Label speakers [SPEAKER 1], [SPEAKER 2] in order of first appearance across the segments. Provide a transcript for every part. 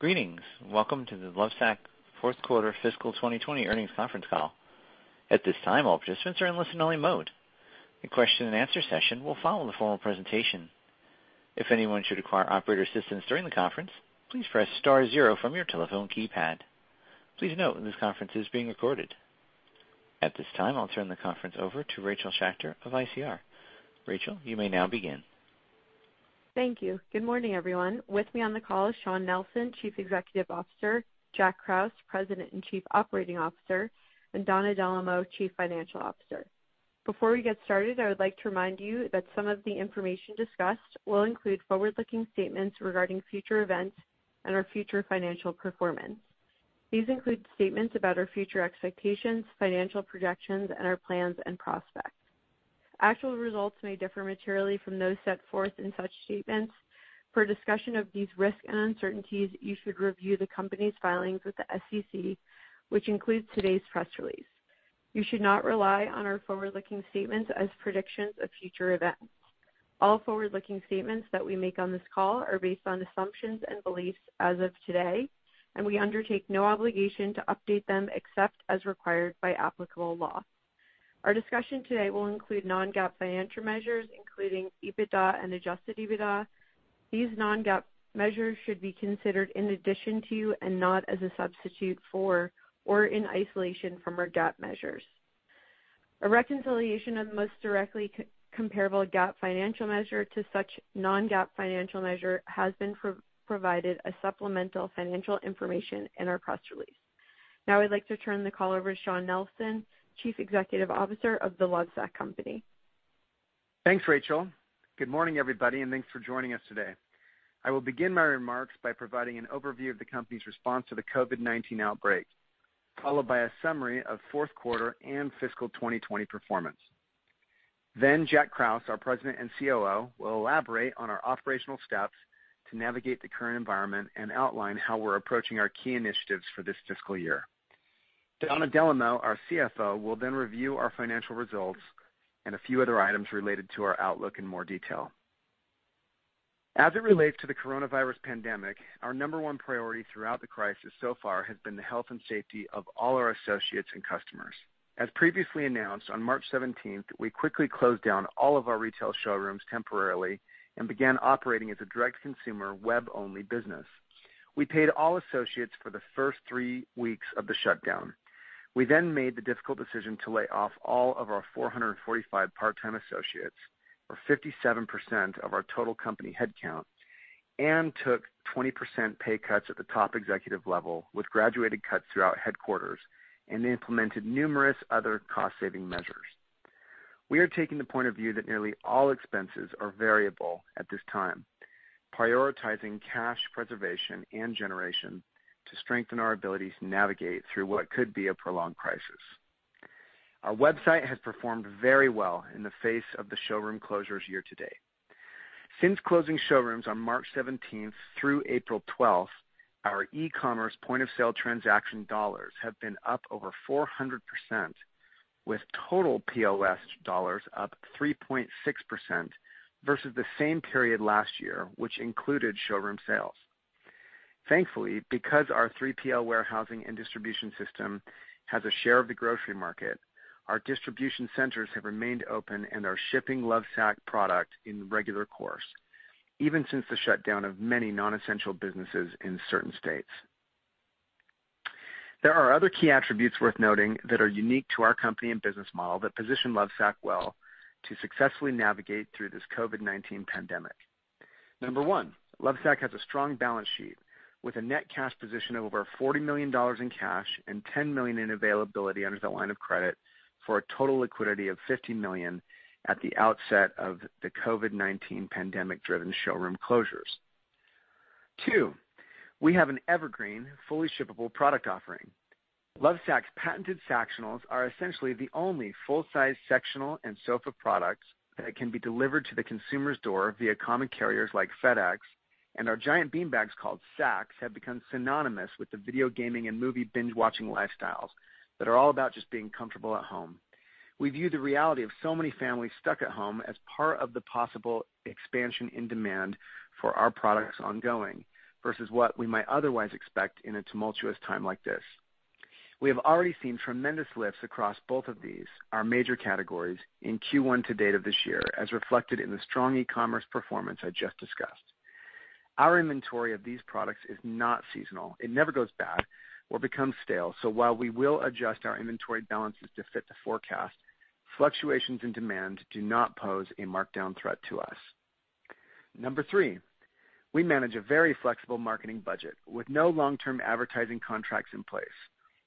[SPEAKER 1] Greetings. Welcome to The Lovesac fourth quarter fiscal 2020 earnings conference call. At this time, all participants are in listen-only mode. A question-and-answer session will follow the formal presentation. If anyone should require operator assistance during the conference, please press star zero from your telephone keypad. Please note this conference is being recorded. At this time, I'll turn the conference over to Rachel Schacter of ICR. Rachel, you may now begin.
[SPEAKER 2] Thank you. Good morning, everyone. With me on the call is Shawn Nelson, Chief Executive Officer, Jack Krause, President and Chief Operating Officer, and Donna Dellomo, Chief Financial Officer. Before we get started, I would like to remind you that some of the information discussed will include forward-looking statements regarding future events and our future financial performance. These include statements about our future expectations, financial projections, and our plans and prospects. Actual results may differ materially from those set forth in such statements. For a discussion of these risks and uncertainties, you should review the company's filings with the SEC, which includes today's press release. You should not rely on our forward-looking statements as predictions of future events. All forward-looking statements that we make on this call are based on assumptions and beliefs as of today, and we undertake no obligation to update them except as required by applicable law. Our discussion today will include non-GAAP financial measures, including EBITDA and adjusted EBITDA. These non-GAAP measures should be considered in addition to and not as a substitute for or in isolation from our GAAP measures. A reconciliation of the most directly comparable GAAP financial measure to such non-GAAP financial measure has been provided as supplemental financial information in our press release. Now I'd like to turn the call over to Shawn Nelson, Chief Executive Officer of The Lovesac Company.
[SPEAKER 3] Thanks, Rachel. Good morning, everybody, and thanks for joining us today. I will begin my remarks by providing an overview of the company's response to the COVID-19 outbreak, followed by a summary of fourth quarter and fiscal 2020 performance. Then Jack Krause, our President and COO, will elaborate on our operational steps to navigate the current environment and outline how we're approaching our key initiatives for this fiscal year. Donna Dellomo, our CFO, will then review our financial results and a few other items related to our outlook in more detail. As it relates to the coronavirus pandemic, our number one priority throughout the crisis so far has been the health and safety of all our associates and customers. As previously announced, on March 17th, we quickly closed down all of our retail showrooms temporarily and began operating as a direct consumer web-only business. We paid all associates for the first three weeks of the shutdown. We then made the difficult decision to lay off all of our 445 part-time associates, or 57% of our total company headcount, and took 20% pay cuts at the top executive level with graduated cuts throughout headquarters and implemented numerous other cost-saving measures. We are taking the point of view that nearly all expenses are variable at this time, prioritizing cash preservation and generation to strengthen our ability to navigate through what could be a prolonged crisis. Our website has performed very well in the face of the showroom closures year to date. Since closing showrooms on March 17th through April 12th, our e-commerce point-of-sale transaction dollars have been up over 400%, with total POS dollars up 3.6% versus the same period last year, which included showroom sales. Thankfully, because our 3PL warehousing and distribution system has a share of the grocery market, our distribution centers have remained open and are shipping Lovesac product in regular course, even since the shutdown of many non-essential businesses in certain states. There are other key attributes worth noting that are unique to our company and business model that position Lovesac well to successfully navigate through this COVID-19 pandemic. Number one, Lovesac has a strong balance sheet with a net cash position of over $40 million in cash and $10 million in availability under the line of credit for a total liquidity of $50 million at the outset of the COVID-19 pandemic-driven showroom closures. Two, we have an evergreen, fully shippable product offering. Lovesac's patented Sactionals are essentially the only full-size sectional and sofa products that can be delivered to the consumer's door via common carriers like FedEx, and our giant beanbags called Sacs have become synonymous with the video gaming and movie binge-watching lifestyles that are all about just being comfortable at home. We view the reality of so many families stuck at home as part of the possible expansion in demand for our products ongoing versus what we might otherwise expect in a tumultuous time like this. We have already seen tremendous lifts across both of these, our major categories, in Q1 to date of this year, as reflected in the strong e-commerce performance I just discussed. Our inventory of these products is not seasonal. It never goes bad or becomes stale, so while we will adjust our inventory balances to fit the forecast, fluctuations in demand do not pose a markdown threat to us. Number three, we manage a very flexible marketing budget with no long-term advertising contracts in place.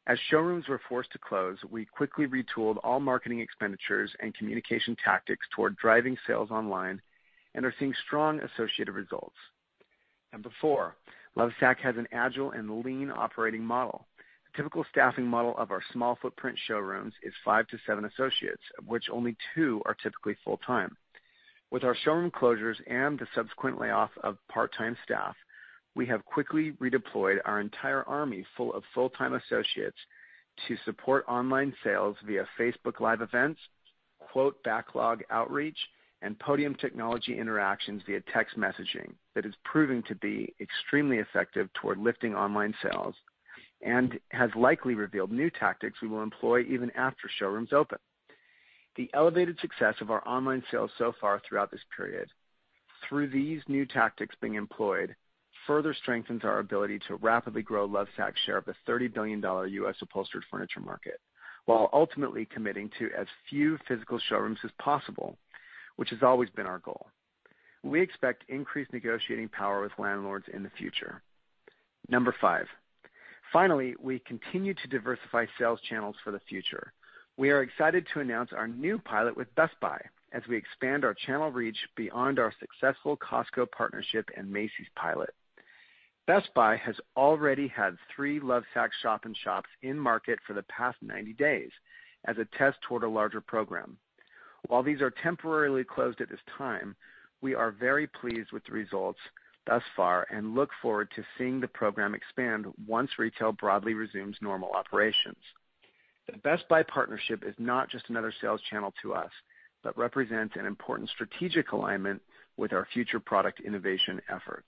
[SPEAKER 3] As showrooms were forced to close, we quickly retooled all marketing expenditures and communication tactics toward driving sales online and are seeing strong associated results. Number four, Lovesac has an agile and lean operating model. The typical staffing model of our small footprint showrooms is five to seven associates, of which only two are typically full-time. With our showroom closures and the subsequent layoff of part-time staff, we have quickly redeployed our entire army full of full-time associates to support online sales via Facebook Live events, quote backlog outreach and Podium technology interactions via text messaging that is proving to be extremely effective toward lifting online sales and has likely revealed new tactics we will employ even after showrooms open. The elevated success of our online sales so far throughout this period, through these new tactics being employed, further strengthens our ability to rapidly grow Lovesac's share of the $30 billion U.S. upholstered furniture market, while ultimately committing to as few physical showrooms as possible, which has always been our goal. We expect increased negotiating power with landlords in the future. Number five, finally, we continue to diversify sales channels for the future. We are excited to announce our new pilot with Best Buy as we expand our channel reach beyond our successful Costco partnership and Macy's pilot. Best Buy has already had three Lovesac shop in shops in market for the past 90 days as a test toward a larger program. While these are temporarily closed at this time, we are very pleased with the results thus far and look forward to seeing the program expand once retail broadly resumes normal operations. The Best Buy partnership is not just another sales channel to us, but represents an important strategic alignment with our future product innovation efforts.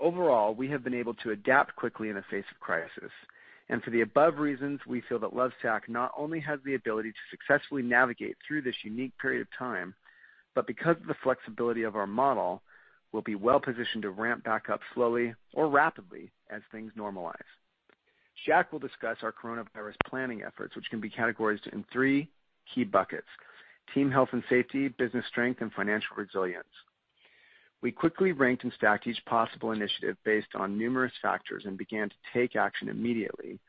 [SPEAKER 3] Overall, we have been able to adapt quickly in the face of crisis, and for the above reasons, we feel that Lovesac not only has the ability to successfully navigate through this unique period of time, but because of the flexibility of our model, we'll be well-positioned to ramp back up slowly or rapidly as things normalize. Jack will discuss our coronavirus planning efforts, which can be categorized in three key buckets, team health and safety, business strength, and financial resilience. We quickly ranked and stacked each possible initiative based on numerous factors and began to take action immediately,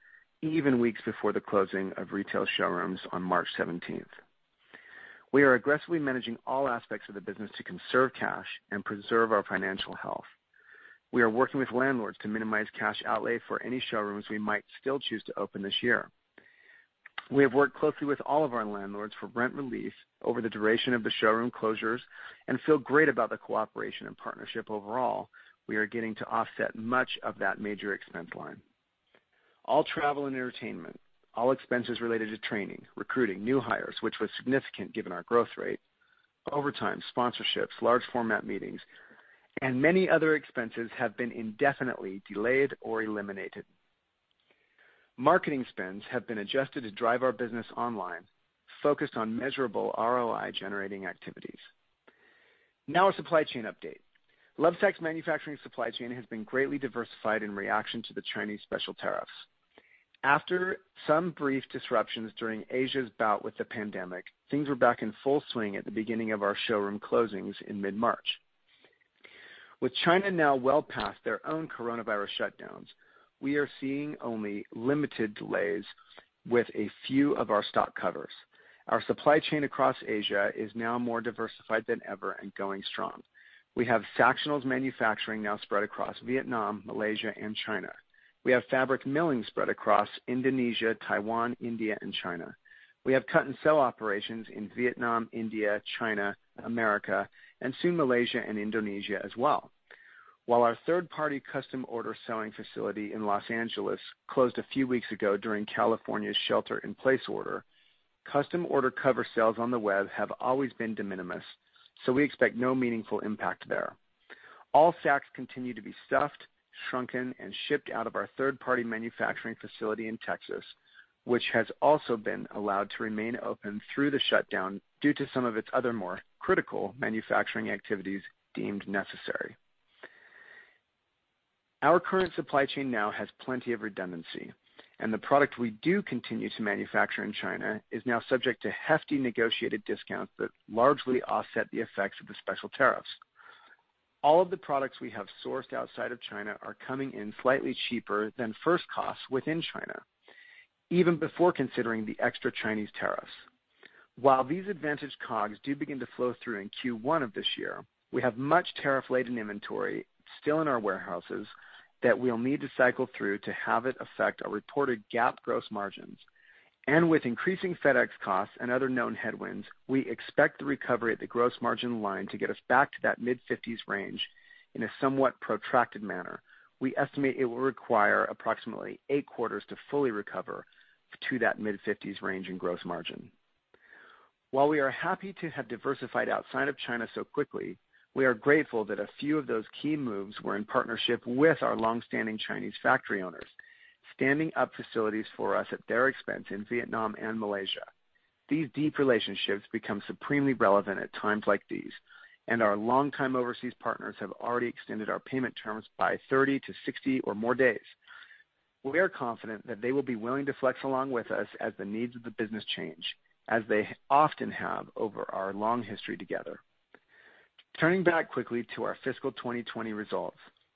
[SPEAKER 3] even weeks before the closing of retail showrooms on March 17th. We are aggressively managing all aspects of the business to conserve cash and preserve our financial health. We are working with landlords to minimize cash outlay for any showrooms we might still choose to open this year. We have worked closely with all of our landlords for rent relief over the duration of the showroom closures and feel great about the cooperation and partnership overall. We are getting to offset much of that major expense line. All travel and entertainment, all expenses related to training, recruiting new hires, which was significant given our growth rate, overtime sponsorships, large format meetings, and many other expenses have been indefinitely delayed or eliminated. Marketing spends have been adjusted to drive our business online, focused on measurable ROI-generating activities. Now, a supply chain update. Lovesac's manufacturing supply chain has been greatly diversified in reaction to the Chinese special tariffs. After some brief disruptions during Asia's bout with the pandemic, things were back in full swing at the beginning of our showroom closings in mid-March. With China now well past their own coronavirus shutdowns, we are seeing only limited delays with a few of our stock covers. Our supply chain across Asia is now more diversified than ever and going strong. We have Sactionals manufacturing now spread across Vietnam, Malaysia, and China. We have fabric milling spread across Indonesia, Taiwan, India, and China. We have cut and sew operations in Vietnam, India, China, America, and soon Malaysia and Indonesia as well. While our third-party custom order sewing facility in Los Angeles closed a few weeks ago during California's shelter in place order, custom order cover sales on the web have always been de minimis, so we expect no meaningful impact there. All Sacs continue to be stuffed, shrunken, and shipped out of our third-party manufacturing facility in Texas, which has also been allowed to remain open through the shutdown due to some of its other more critical manufacturing activities deemed necessary. Our current supply chain now has plenty of redundancy, and the product we do continue to manufacture in China is now subject to hefty negotiated discounts that largely offset the effects of the special tariffs. All of the products we have sourced outside of China are coming in slightly cheaper than first costs within China, even before considering the extra Chinese tariffs. While these advantages, COGS do begin to flow through in Q1 of this year, we have much tariff-laden inventory still in our warehouses that we'll need to cycle through to have it affect our reported GAAP gross margins. With increasing FedEx costs and other known headwinds, we expect the recovery at the gross margin line to get us back to that mid-50s range in a somewhat protracted manner. We estimate it will require approximately eight quarters to fully recover to that mid-fifties range in gross margin. While we are happy to have diversified outside of China so quickly, we are grateful that a few of those key moves were in partnership with our long-standing Chinese factory owners, standing up facilities for us at their expense in Vietnam and Malaysia. These deep relationships become supremely relevant at times like these, and our longtime overseas partners have already extended our payment terms by 30-60 or more days. We are confident that they will be willing to flex along with us as the needs of the business change, as they often have over our long history together. Turning back quickly to our fiscal 2020 results.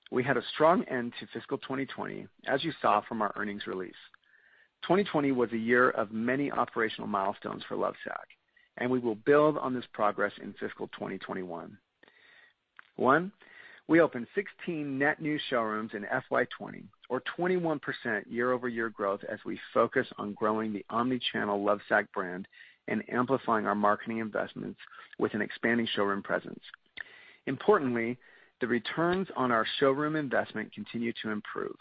[SPEAKER 3] We had a strong end to fiscal 2020, as you saw from our earnings release. 2020 was a year of many operational milestones for Lovesac, and we will build on this progress in fiscal 2021. One, we opened 16 net new showrooms in FY 2020, or 21% year-over-year growth as we focus on growing the omni-channel Lovesac brand and amplifying our marketing investments with an expanding showroom presence. Importantly, the returns on our showroom investment continue to improve,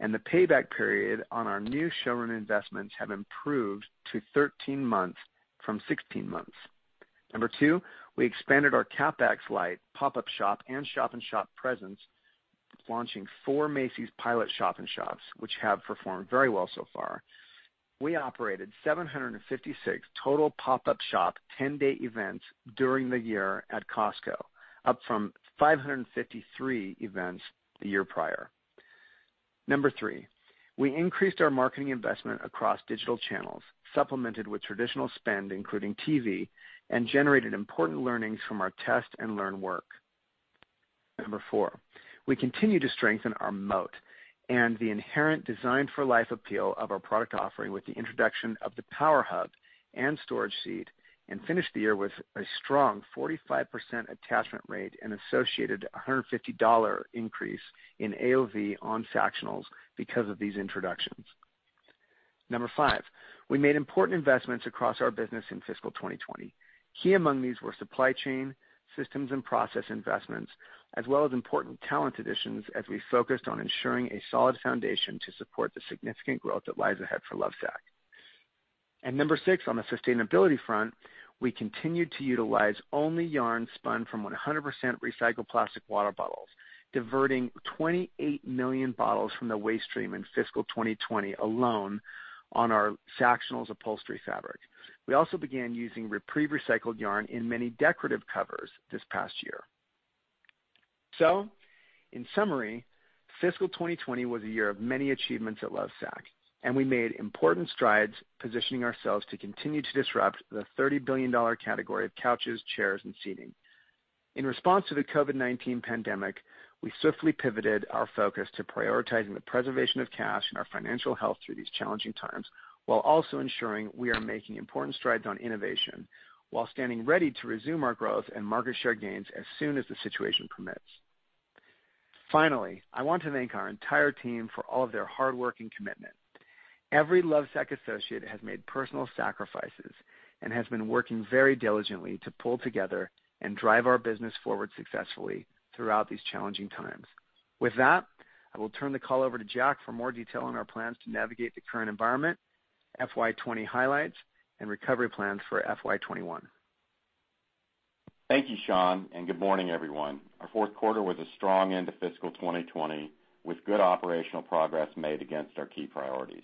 [SPEAKER 3] and the payback period on our new showroom investments have improved to 13 months from 16 months. Number two, we expanded our CapEx light pop-up shop and shop in shop presence, launching four Macy's pilot shop in shops, which have performed very well so far. We operated 756 total pop-up shop 10-day events during the year at Costco, up from 553 events the year prior. Number three, we increased our marketing investment across digital channels, supplemented with traditional spend, including TV, and generated important learnings from our test and learn work. Number four, we continue to strengthen our moat and the inherent design for life appeal of our product offering with the introduction of the Power Hub and Storage Seat, and finished the year with a strong 45% attachment rate and associated $150 increase in AOV on Sactionals because of these introductions. Number five, we made important investments across our business in fiscal 2020. Key among these were supply chain systems and process investments, as well as important talent additions as we focused on ensuring a solid foundation to support the significant growth that lies ahead for Lovesac. Number six, on the sustainability front, we continued to utilize only yarn spun from 100% recycled plastic water bottles, diverting 28 million bottles from the waste stream in fiscal 2020 alone on our Sactionals upholstery fabric. We also began using Repreve recycled yarn in many decorative covers this past year. In summary, fiscal 2020 was a year of many achievements at Lovesac, and we made important strides positioning ourselves to continue to disrupt the $30 billion category of couches, chairs, and seating. In response to the COVID-19 pandemic, we swiftly pivoted our focus to prioritizing the preservation of cash and our financial health through these challenging times, while also ensuring we are making important strides on innovation while standing ready to resume our growth and market share gains as soon as the situation permits. Finally, I want to thank our entire team for all of their hard work and commitment. Every Lovesac associate has made personal sacrifices and has been working very diligently to pull together and drive our business forward successfully throughout these challenging times. With that, I will turn the call over to Jack for more detail on our plans to navigate the current environment, FY 2020 highlights and recovery plans for FY 2021.
[SPEAKER 4] Thank you, Shawn, and good morning, everyone. Our fourth quarter was a strong end to fiscal 2020 with good operational progress made against our key priorities.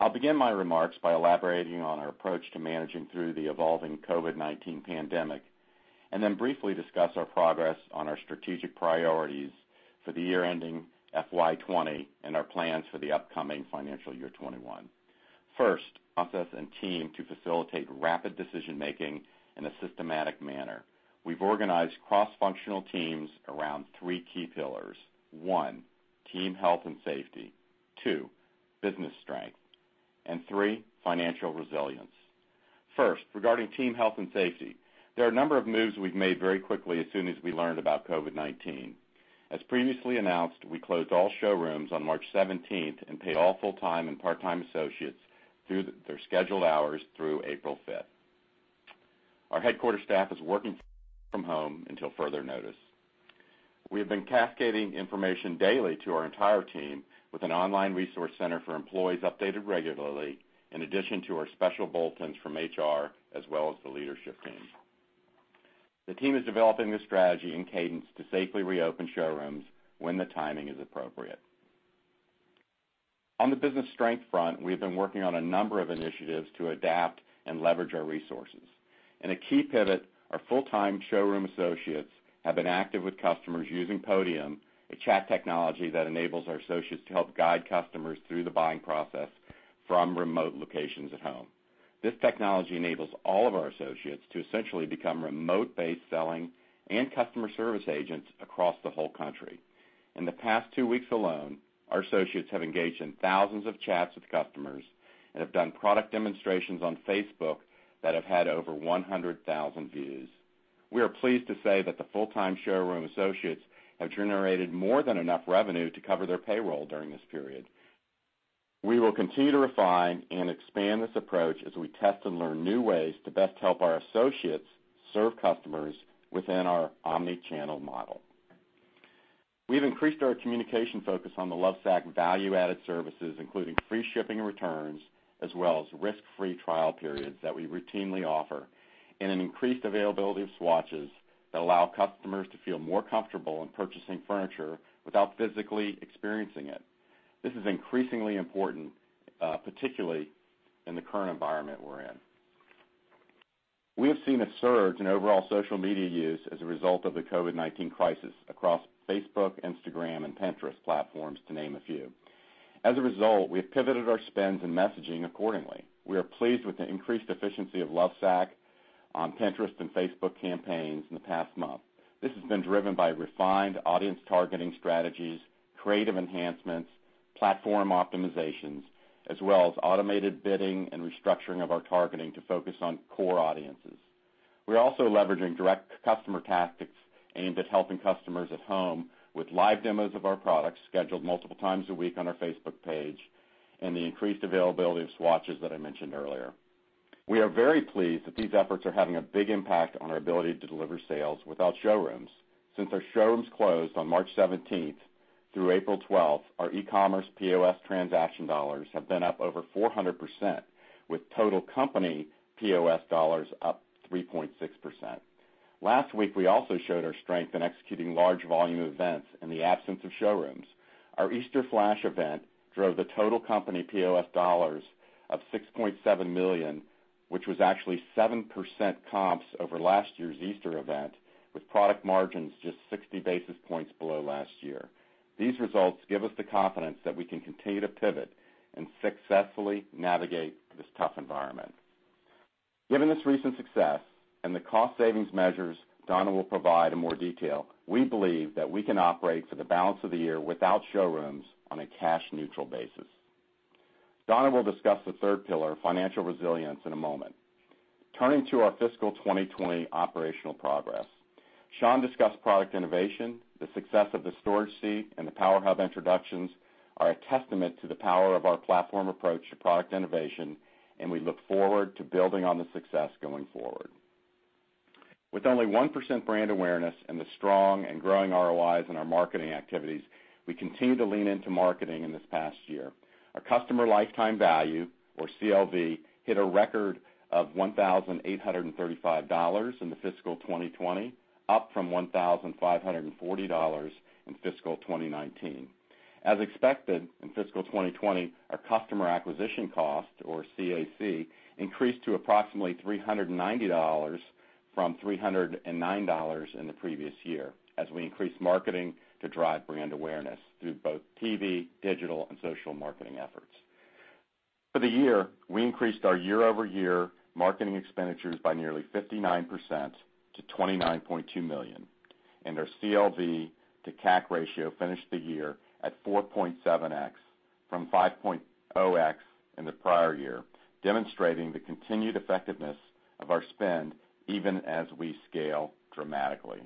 [SPEAKER 4] I'll begin my remarks by elaborating on our approach to managing through the evolving COVID-19 pandemic, and then briefly discuss our progress on our strategic priorities for the year ending FY 2020 and our plans for the upcoming financial year 2021. First, process and team to facilitate rapid decision-making in a systematic manner. We've organized cross-functional teams around three key pillars. One, team health and safety. Two, business strength. And three, financial resilience. First, regarding team health and safety, there are a number of moves we've made very quickly as soon as we learned about COVID-19. As previously announced, we closed all showrooms on March 17th and paid all full-time and part-time associates through their scheduled hours through April 5th. Our headquarters staff is working from home until further notice. We have been cascading information daily to our entire team with an online resource center for employees updated regularly, in addition to our special bulletins from HR as well as the leadership team. The team is developing the strategy and cadence to safely reopen showrooms when the timing is appropriate. On the business strength front, we have been working on a number of initiatives to adapt and leverage our resources. In a key pivot, our full-time showroom associates have been active with customers using Podium, a chat technology that enables our associates to help guide customers through the buying process from remote locations at home. This technology enables all of our associates to essentially become remote-based selling and customer service agents across the whole country. In the past two weeks alone, our associates have engaged in thousands of chats with customers and have done product demonstrations on Facebook that have had over 100,000 views. We are pleased to say that the full-time showroom associates have generated more than enough revenue to cover their payroll during this period. We will continue to refine and expand this approach as we test and learn new ways to best help our associates serve customers within our omni-channel model. We've increased our communication focus on the Lovesac value-added services, including free shipping returns, as well as risk-free trial periods that we routinely offer, and an increased availability of swatches that allow customers to feel more comfortable in purchasing furniture without physically experiencing it. This is increasingly important, particularly in the current environment we're in. We have seen a surge in overall social media use as a result of the COVID-19 crisis across Facebook, Instagram, and Pinterest platforms, to name a few. As a result, we have pivoted our spends and messaging accordingly. We are pleased with the increased efficiency of Lovesac on Pinterest and Facebook campaigns in the past month. This has been driven by refined audience targeting strategies, creative enhancements, platform optimizations, as well as automated bidding and restructuring of our targeting to focus on core audiences. We're also leveraging direct customer tactics aimed at helping customers at home with live demos of our products scheduled multiple times a week on our Facebook page and the increased availability of swatches that I mentioned earlier. We are very pleased that these efforts are having a big impact on our ability to deliver sales without showrooms. Since our showrooms closed on March 17th through April 12th, our e-commerce POS transaction dollars have been up over 400%, with total company POS dollars up 3.6%. Last week, we also showed our strength in executing large volume events in the absence of showrooms. Our Easter flash event drove the total company POS dollars of $6.7 million, which was actually 7% comps over last year's Easter event, with product margins just 60 basis points below last year. These results give us the confidence that we can continue to pivot and successfully navigate this tough environment. Given this recent success and the cost savings measures Donna will provide in more detail, we believe that we can operate for the balance of the year without showrooms on a cash-neutral basis. Donna will discuss the third pillar, financial resilience, in a moment. Turning to our fiscal 2020 operational progress. Shawn discussed product innovation. The success of the Storage Seat and the Power Hub introductions are a testament to the power of our platform approach to product innovation, and we look forward to building on the success going forward. With only 1% brand awareness and the strong and growing ROIs in our marketing activities, we continue to lean into marketing in this past year. Our customer lifetime value, or CLV, hit a record of $1,835 in the fiscal 2020, up from $1,540 in fiscal 2019. As expected, in fiscal 2020, our customer acquisition cost, or CAC, increased to approximately $390 from $309 in the previous year as we increased marketing to drive brand awareness through both TV, digital, and social marketing efforts. For the year, we increased our year-over-year marketing expenditures by nearly 59% to $29.2 million, and our CLV to CAC ratio finished the year at 4.7x from 5.0x in the prior year, demonstrating the continued effectiveness of our spend even as we scale dramatically.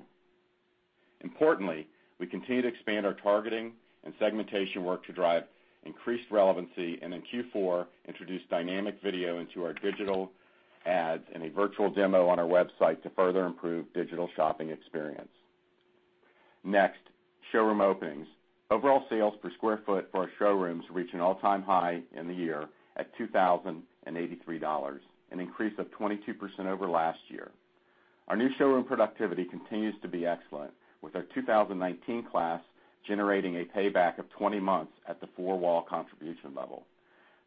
[SPEAKER 4] Importantly, we continue to expand our targeting and segmentation work to drive increased relevancy, and in Q4 introduced dynamic video into our digital ads and a virtual demo on our website to further improve digital shopping experience. Next, showroom openings. Overall sales per square foot for our showrooms reach an all-time high in the year at $2,083, an increase of 22% over last year. Our new showroom productivity continues to be excellent, with our 2019 class generating a payback of 20 months at the four-wall contribution level.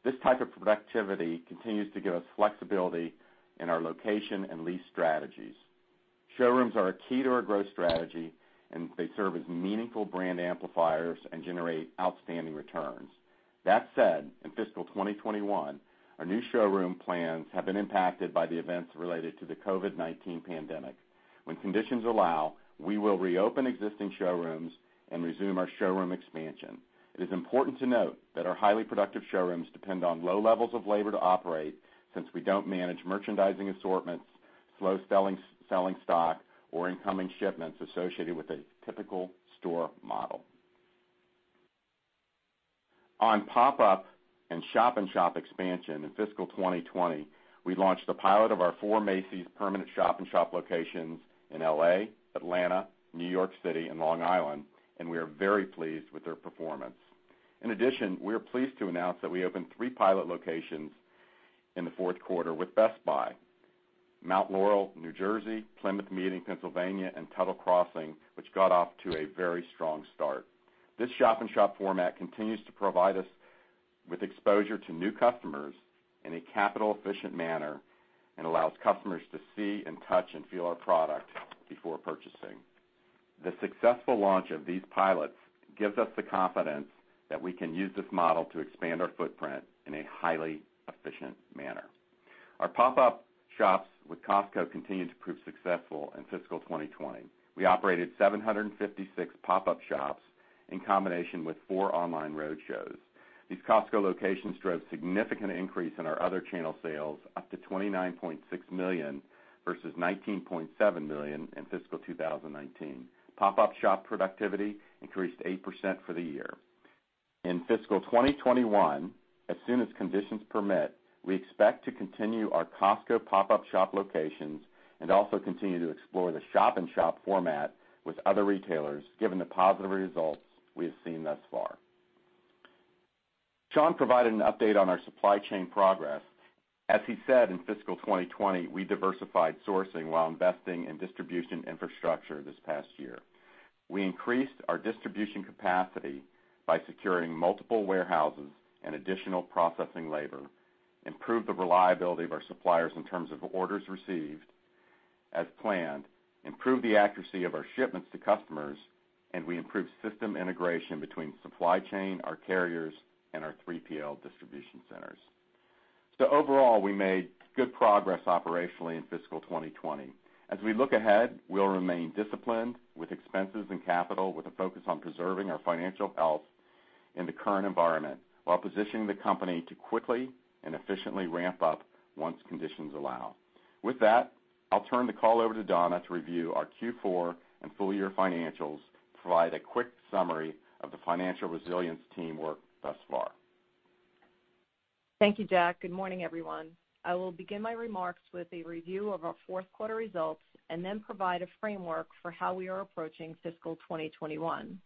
[SPEAKER 4] This type of productivity continues to give us flexibility in our location and lease strategies. Showrooms are a key to our growth strategy, and they serve as meaningful brand amplifiers and generate outstanding returns. That said, in fiscal 2021, our new showroom plans have been impacted by the events related to the COVID-19 pandemic. When conditions allow, we will reopen existing showrooms and resume our showroom expansion. It is important to note that our highly productive showrooms depend on low levels of labor to operate since we don't manage merchandising assortments, slow selling stock, or incoming shipments associated with a typical store model. On pop-up and shop-in-shop expansion in FY 2020, we launched the pilot of our four Macy's permanent shop-in-shop locations in L.A., Atlanta, New York City, and Long Island, and we are very pleased with their performance. In addition, we are pleased to announce that we opened three pilot locations in the fourth quarter with Best Buy, Mount Laurel, New Jersey, Plymouth Meeting, Pennsylvania, and Tuttle Crossing, which got off to a very strong start. This shop-in-shop format continues to provide us with exposure to new customers in a capital-efficient manner and allows customers to see and touch and feel our product before purchasing. The successful launch of these pilots gives us the confidence that we can use this model to expand our footprint in a highly efficient manner. Our pop-up shops with Costco continued to prove successful in fiscal 2020. We operated 756 pop-up shops in combination with four online road shows. These Costco locations drove significant increase in our other channel sales up to $29.6 million versus $19.7 million in fiscal 2019. Pop-up shop productivity increased 8% for the year. In fiscal 2021, as soon as conditions permit, we expect to continue our Costco pop-up shop locations and also continue to explore the shop-in-shop format with other retailers, given the positive results we have seen thus far. Shawn provided an update on our supply chain progress. As he said, in fiscal 2020, we diversified sourcing while investing in distribution infrastructure this past year. We increased our distribution capacity by securing multiple warehouses and additional processing labor, improved the reliability of our suppliers in terms of orders received as planned, improved the accuracy of our shipments to customers, and we improved system integration between supply chain, our carriers, and our 3PL distribution centers. Overall, we made good progress operationally in fiscal 2020. As we look ahead, we'll remain disciplined with expenses and capital with a focus on preserving our financial health in the current environment while positioning the company to quickly and efficiently ramp up once conditions allow. With that, I'll turn the call over to Donna to review our Q4 and full year financials to provide a quick summary of the financial resilience teamwork thus far.
[SPEAKER 5] Thank you, Jack. Good morning, everyone. I will begin my remarks with a review of our fourth quarter results and then provide a framework for how we are approaching fiscal 2021.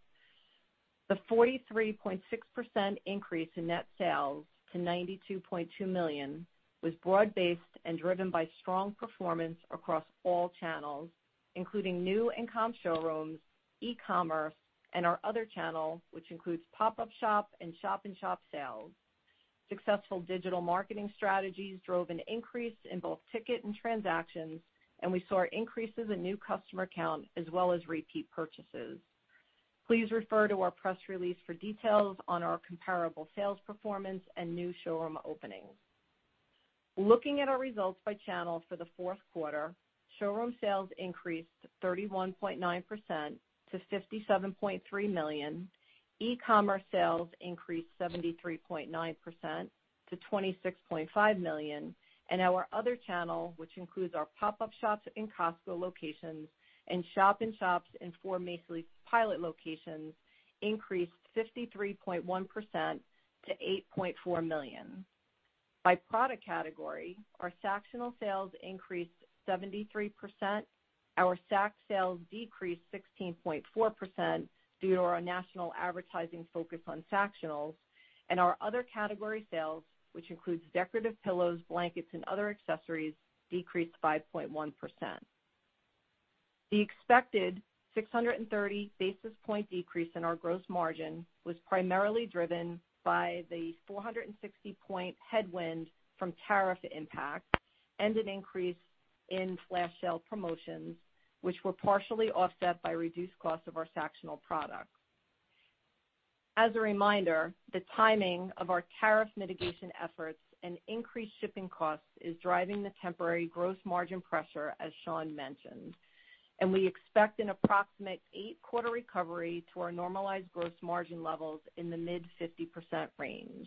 [SPEAKER 5] The 43.6% increase in net sales to $92.2 million was broad-based and driven by strong performance across all channels, including new and comp showrooms, e-commerce and our other channel, which includes pop-up shop and shop in shop sales. Successful digital marketing strategies drove an increase in both ticket and transactions, and we saw increases in new customer count as well as repeat purchases. Please refer to our press release for details on our comparable sales performance and new showroom openings. Looking at our results by channel for the fourth quarter, showroom sales increased 31.9% to $57.3 million. e-commerce sales increased 73.9% to $26.5 million. Our other channel, which includes our pop-up shops in Costco locations and shop in shops in four Macy's pilot locations, increased 53.1% to $8.4 million. By product category, our Sactionals sales increased 73%. Our Sacs sales decreased 16.4% due to our national advertising focus on Sactionals. Our other category sales, which includes decorative pillows, blankets, and other accessories, decreased 5.1%. The expected 630 basis point decrease in our gross margin was primarily driven by the 460-point headwind from tariff impact and an increase in flash sale promotions, which were partially offset by reduced cost of our Sactionals products. As a reminder, the timing of our tariff mitigation efforts and increased shipping costs is driving the temporary gross margin pressure, as Shawn mentioned. We expect an approximate 8-quarter recovery to our normalized gross margin levels in the mid-50% range.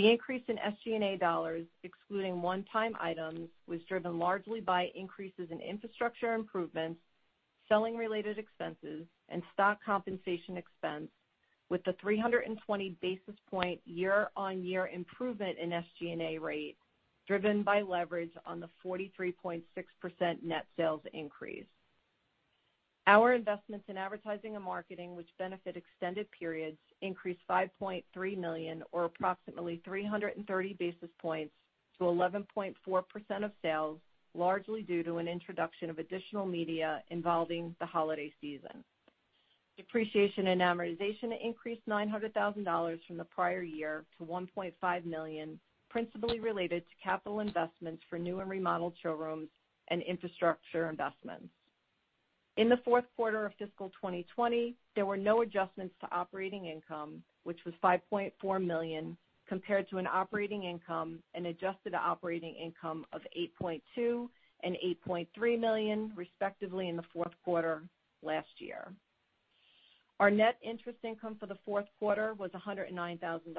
[SPEAKER 5] The increase in SG&A dollars, excluding one-time items, was driven largely by increases in infrastructure improvements, selling related expenses and stock compensation expense, with the 320 basis point year-on-year improvement in SG&A rate driven by leverage on the 43.6% net sales increase. Our investments in advertising and marketing, which benefit extended periods, increased $5.3 million or approximately 330 basis points to 11.4% of sales, largely due to an introduction of additional media involving the holiday season. Depreciation and amortization increased $900 thousand from the prior year to $1.5 million, principally related to capital investments for new and remodeled showrooms and infrastructure investments. In the fourth quarter of fiscal 2020, there were no adjustments to operating income, which was $5.4 million, compared to an operating income and adjusted operating income of $8.2 million and $8.3 million, respectively, in the fourth quarter last year. Our net interest income for the fourth quarter was $109 thousand,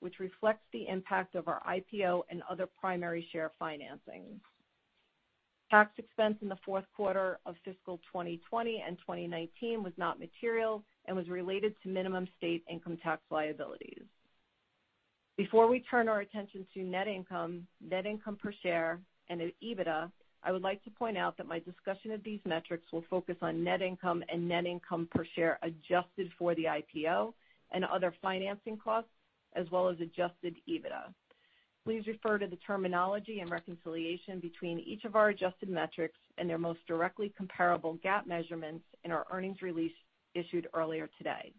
[SPEAKER 5] which reflects the impact of our IPO and other primary share financings. Tax expense in the fourth quarter of fiscal 2020 and 2019 was not material and was related to minimum state income tax liabilities. Before we turn our attention to net income, net income per share and EBITDA, I would like to point out that my discussion of these metrics will focus on net income and net income per share adjusted for the IPO and other financing costs, as well as adjusted EBITDA. Please refer to the terminology and reconciliation between each of our adjusted metrics and their most directly comparable GAAP measurements in our earnings release issued earlier today.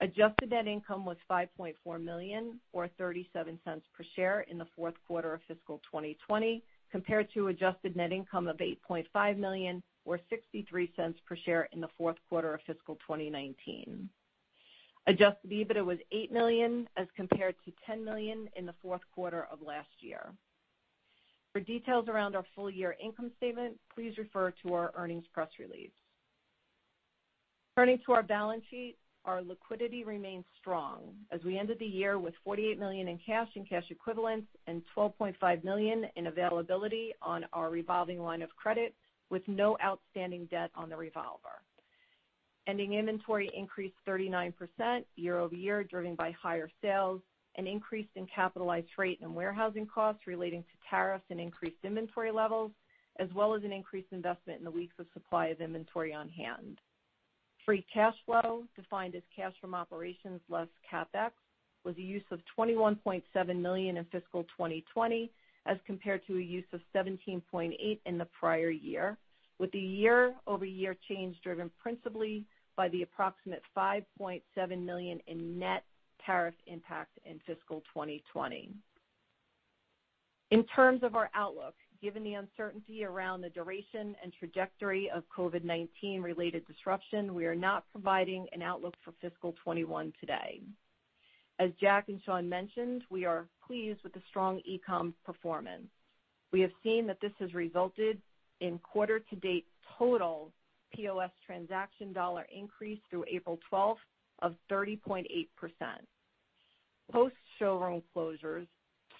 [SPEAKER 5] Adjusted net income was $5.4 million or $0.37 per share in the fourth quarter of fiscal 2020, compared to adjusted net income of $8.5 million or $0.63 per share in the fourth quarter of fiscal 2019. Adjusted EBITDA was $8 million as compared to $10 million in the fourth quarter of last year. For details around our full year income statement, please refer to our earnings press release. Turning to our balance sheet, our liquidity remains strong as we ended the year with $48 million in cash and cash equivalents and $12.5 million in availability on our revolving line of credit, with no outstanding debt on the revolver. Ending inventory increased 39% year-over-year, driven by higher sales, an increase in capitalized freight and warehousing costs relating to tariffs and increased inventory levels, as well as an increased investment in the weeks of supply of inventory on hand. Free cash flow, defined as cash from operations less CapEx, was a use of $21.7 million in fiscal 2020, as compared to a use of $17.8 million in the prior year, with the year-over-year change driven principally by the approximate $5.7 million in net tariff impact in fiscal 2020. In terms of our outlook, given the uncertainty around the duration and trajectory of COVID-19 related disruption, we are not providing an outlook for fiscal 2021 today. As Jack and Shawn mentioned, we are pleased with the strong e-com performance. We have seen that this has resulted in quarter-to-date total POS transaction dollar increase through April 12th of 30.8%. Post-showroom closures,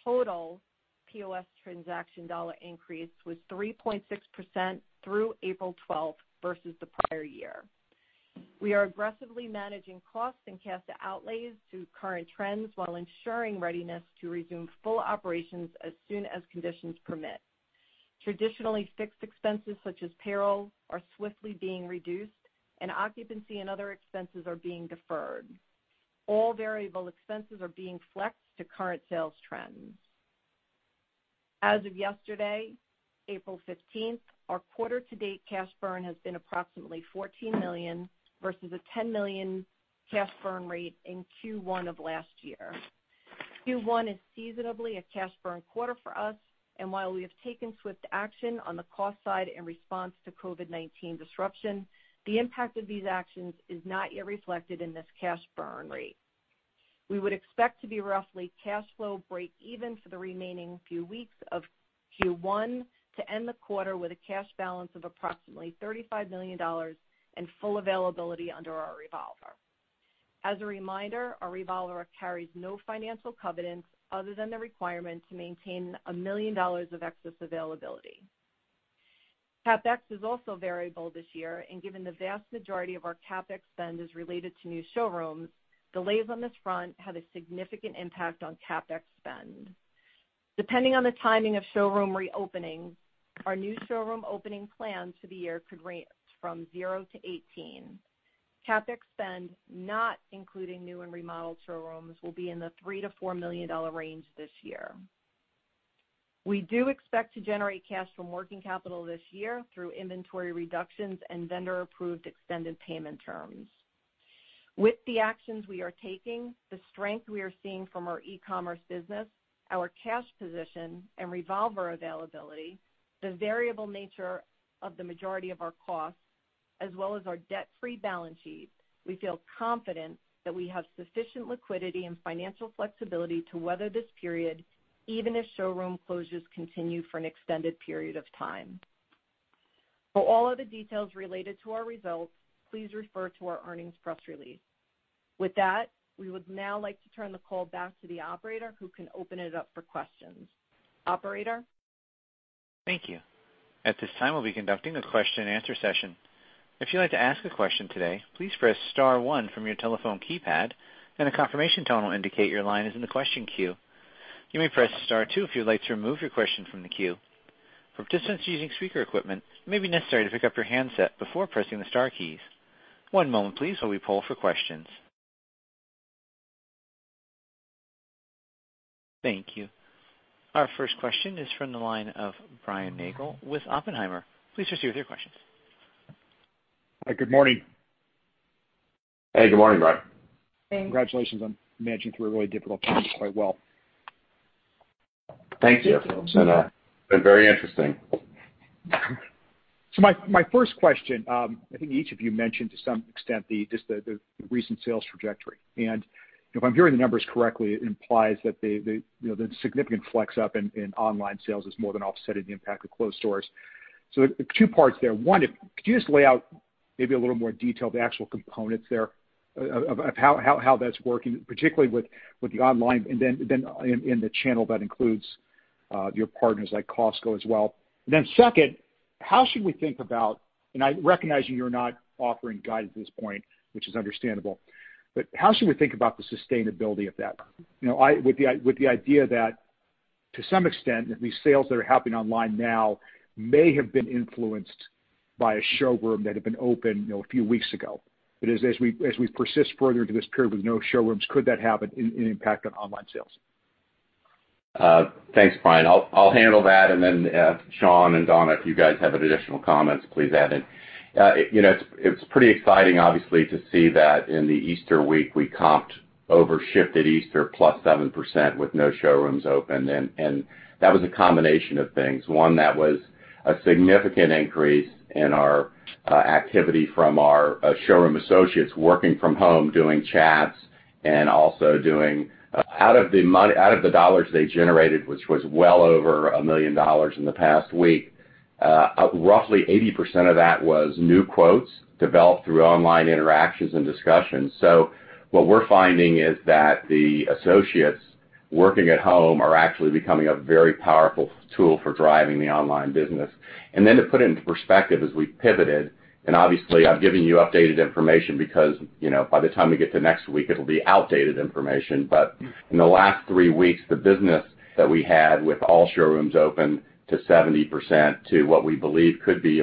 [SPEAKER 5] total POS transaction dollar increase was 3.6% through April 12th versus the prior year. We are aggressively managing costs and cash outflows to current trends while ensuring readiness to resume full operations as soon as conditions permit. Traditionally, fixed expenses such as payroll are swiftly being reduced and occupancy and other expenses are being deferred. All variable expenses are being flexed to current sales trends. As of yesterday, April 15th, our quarter-to-date cash burn has been approximately $14 million versus a $10 million cash burn rate in Q1 of last year. Q1 is seasonally a cash burn quarter for us, and while we have taken swift action on the cost side in response to COVID-19 disruption, the impact of these actions is not yet reflected in this cash burn rate. We would expect to be roughly cash flow break even for the remaining few weeks of Q1 to end the quarter with a cash balance of approximately $35 million and full availability under our revolver. As a reminder, our revolver carries no financial covenants other than the requirement to maintain $1 million of excess availability. CapEx is also variable this year, and given the vast majority of our CapEx spend is related to new showrooms, delays on this front have a significant impact on CapEx spend. Depending on the timing of showroom reopening, our new showroom opening plan for the year could range from zero-18. CapEx spend, not including new and remodeled showrooms, will be in the $3 million-$4 million range this year. We do expect to generate cash from working capital this year through inventory reductions and vendor-approved extended payment terms. With the actions we are taking, the strength we are seeing from our e-commerce business, our cash position and revolver availability, the variable nature of the majority of our costs, as well as our debt-free balance sheet, we feel confident that we have sufficient liquidity and financial flexibility to weather this period, even if showroom closures continue for an extended period of time. For all of the details related to our results, please refer to our earnings press release. With that, we would now like to turn the call back to the operator who can open it up for questions. Operator?
[SPEAKER 1] Thank you. At this time, we'll be conducting a question-and-answer session. If you'd like to ask a question today, please press star one from your telephone keypad and a confirmation tone will indicate your line is in the question queue. You may press star two if you'd like to remove your question from the queue. For participants using speaker equipment, it may be necessary to pick up your handset before pressing the star keys. One moment please while we poll for questions. Thank you. Our first question is from the line of Brian Nagel with Oppenheimer. Please proceed with your questions.
[SPEAKER 6] Hi, good morning.
[SPEAKER 4] Hey, good morning, Brian.
[SPEAKER 5] Hey.
[SPEAKER 6] Congratulations on managing through a really difficult time quite well.
[SPEAKER 4] Thank you. It's been very interesting.
[SPEAKER 6] My first question, I think each of you mentioned to some extent just the recent sales trajectory. If I'm hearing the numbers correctly, it implies that, you know, the significant flex up in online sales is more than offsetting the impact of closed stores. Two parts there. One, could you just lay out maybe a little more detail of the actual components there of how that's working, particularly with the online and then in the channel that includes your partners like Costco as well. Second, how should we think about the sustainability of that. I recognize you're not offering guidance at this point, which is understandable. How should we think about the sustainability of that? You know, with the idea that to some extent, at least sales that are happening online now may have been influenced by a showroom that had been open, you know, a few weeks ago. But as we persist further into this period with no showrooms, could that have an impact on online sales?
[SPEAKER 4] Thanks, Brian. I'll handle that. Then, Shawn and Donna, if you guys have any additional comments, please add in. You know, it's pretty exciting, obviously, to see that in the Easter week, we comped over shifted Easter plus 7% with no showrooms open. That was a combination of things. One, that was a significant increase in our activity from our showroom associates working from home, doing chats and also doing out of the dollars they generated, which was well over $1 million in the past week, roughly 80% of that was new quotes developed through online interactions and discussions. What we're finding is that the associates working at home are actually becoming a very powerful tool for driving the online business. Then to put it into perspective, as we pivoted, and obviously I'm giving you updated information because, you know, by the time we get to next week, it'll be outdated information. In the last three weeks, the business that we had with all showrooms open to 70% to what we believe could be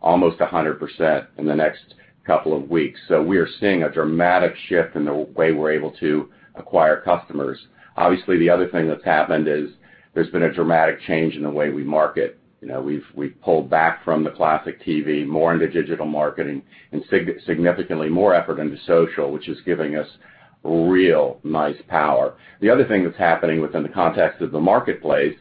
[SPEAKER 4] almost 100% in the next couple of weeks. We are seeing a dramatic shift in the way we're able to acquire customers. Obviously, the other thing that's happened is there's been a dramatic change in the way we market. You know, we've pulled back from the classic TV more into digital marketing and significantly more effort into social, which is giving us real nice power. The other thing that's happening within the context of the marketplace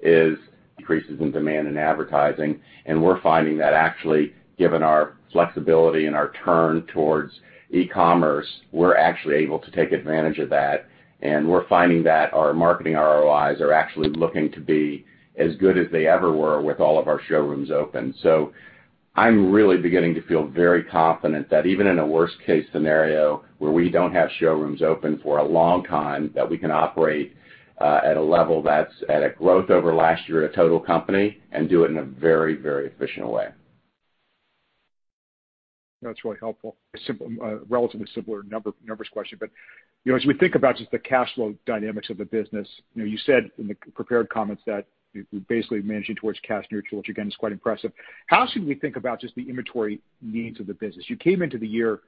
[SPEAKER 4] is increases in demand in advertising. We're finding that actually, given our flexibility and our turn towards e-commerce, we're actually able to take advantage of that. We're finding that our marketing ROIs are actually looking to be as good as they ever were with all of our showrooms open. I'm really beginning to feel very confident that even in a worst case scenario where we don't have showrooms open for a long time, that we can operate at a level that's at a growth over last year at total company and do it in a very, very efficient way.
[SPEAKER 6] That's really helpful. A relatively simpler numbers question, but, you know, as we think about just the cash flow dynamics of the business, you know, you said in the prepared comments that you're basically managing towards cash neutral, which again is quite impressive. How should we think about just the inventory needs of the business? You came into the year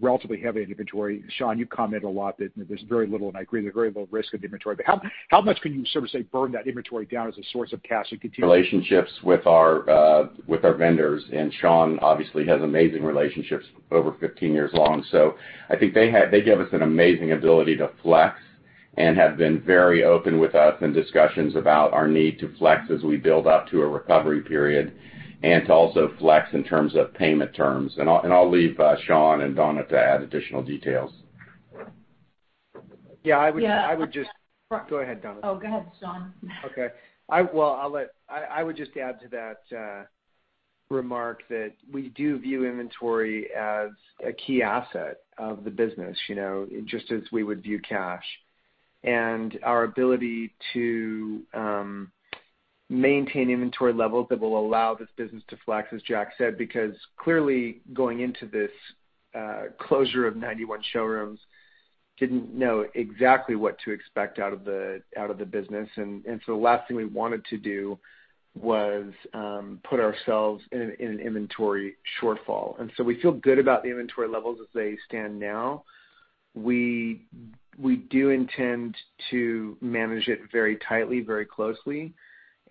[SPEAKER 6] relatively heavy inventory. Shawn, you comment a lot that there's very little, and I agree, there's very little risk of inventory. But how much can you sort of say burn that inventory down as a source of cash and continue
[SPEAKER 4] Relationships with our vendors, and Shawn obviously has amazing relationships over 15 years long. I think they give us an amazing ability to flex and have been very open with us in discussions about our need to flex as we build up to a recovery period and to also flex in terms of payment terms. I'll leave Shawn and Donna to add additional details.
[SPEAKER 3] Yeah, I would.
[SPEAKER 5] Yeah.
[SPEAKER 3] Go ahead, Donna.
[SPEAKER 5] Oh, go ahead, Shawn.
[SPEAKER 3] Okay. Well, I would just add to that remark that we do view inventory as a key asset of the business, you know, just as we would view cash. Our ability to maintain inventory levels that will allow this business to flex, as Jack said, because clearly going into this closure of 91 showrooms, we didn't know exactly what to expect out of the business. So the last thing we wanted to do was put ourselves in an inventory shortfall. We feel good about the inventory levels as they stand now. We do intend to manage it very tightly, very closely,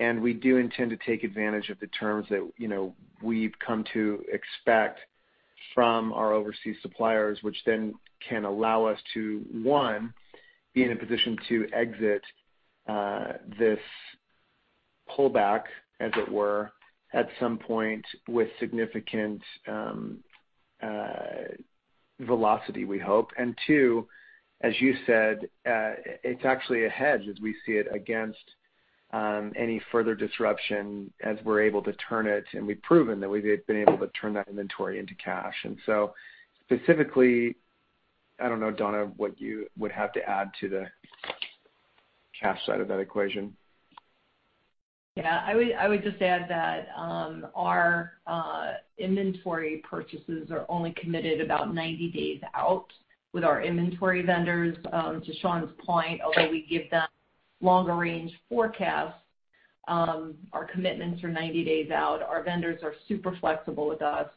[SPEAKER 3] and we do intend to take advantage of the terms that, you know, we've come to expect from our overseas suppliers, which then can allow us to, one, be in a position to exit this pullback, as it were, at some point with significant velocity, we hope. Two, as you said, it's actually a hedge as we see it against any further disruption as we're able to turn it, and we've proven that we've been able to turn that inventory into cash. Specifically, I don't know, Donna, what you would have to add to the cash side of that equation.
[SPEAKER 5] Yeah. I would just add that our inventory purchases are only committed about 90 days out with our inventory vendors. To Shawn's point, although we give them longer range forecasts, our commitments are 90 days out. Our vendors are super flexible with us.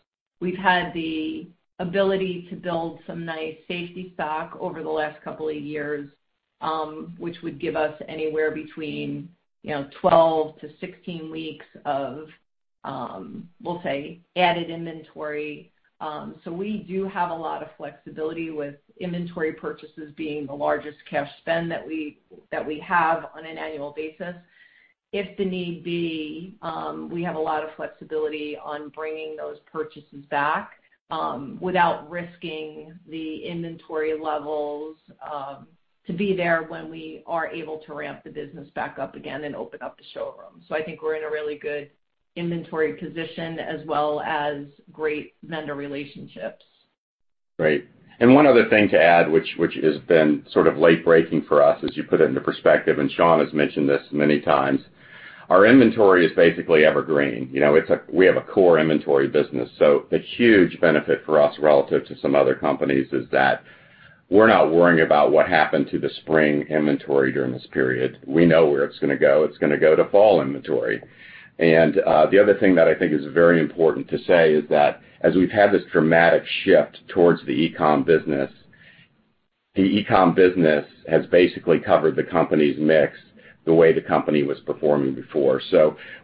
[SPEAKER 5] We've had the ability to build some nice safety stock over the last couple of years, which would give us anywhere between, you know, 12-16 weeks of, we'll say, added inventory. We do have a lot of flexibility with inventory purchases being the largest cash spend that we have on an annual basis. If the need be, we have a lot of flexibility on bringing those purchases back, without risking the inventory levels, to be there when we are able to ramp the business back up again and open up the showroom. I think we're in a really good inventory position as well as great vendor relationships.
[SPEAKER 4] Great. One other thing to add, which has been sort of late breaking for us as you put it into perspective, and Shawn has mentioned this many times. Our inventory is basically evergreen. You know, we have a core inventory business. A huge benefit for us relative to some other companies is that we're not worrying about what happened to the spring inventory during this period. We know where it's gonna go. It's gonna go to fall inventory. The other thing that I think is very important to say is that as we've had this dramatic shift towards the e-com business, the e-com business has basically covered the company's mix the way the company was performing before.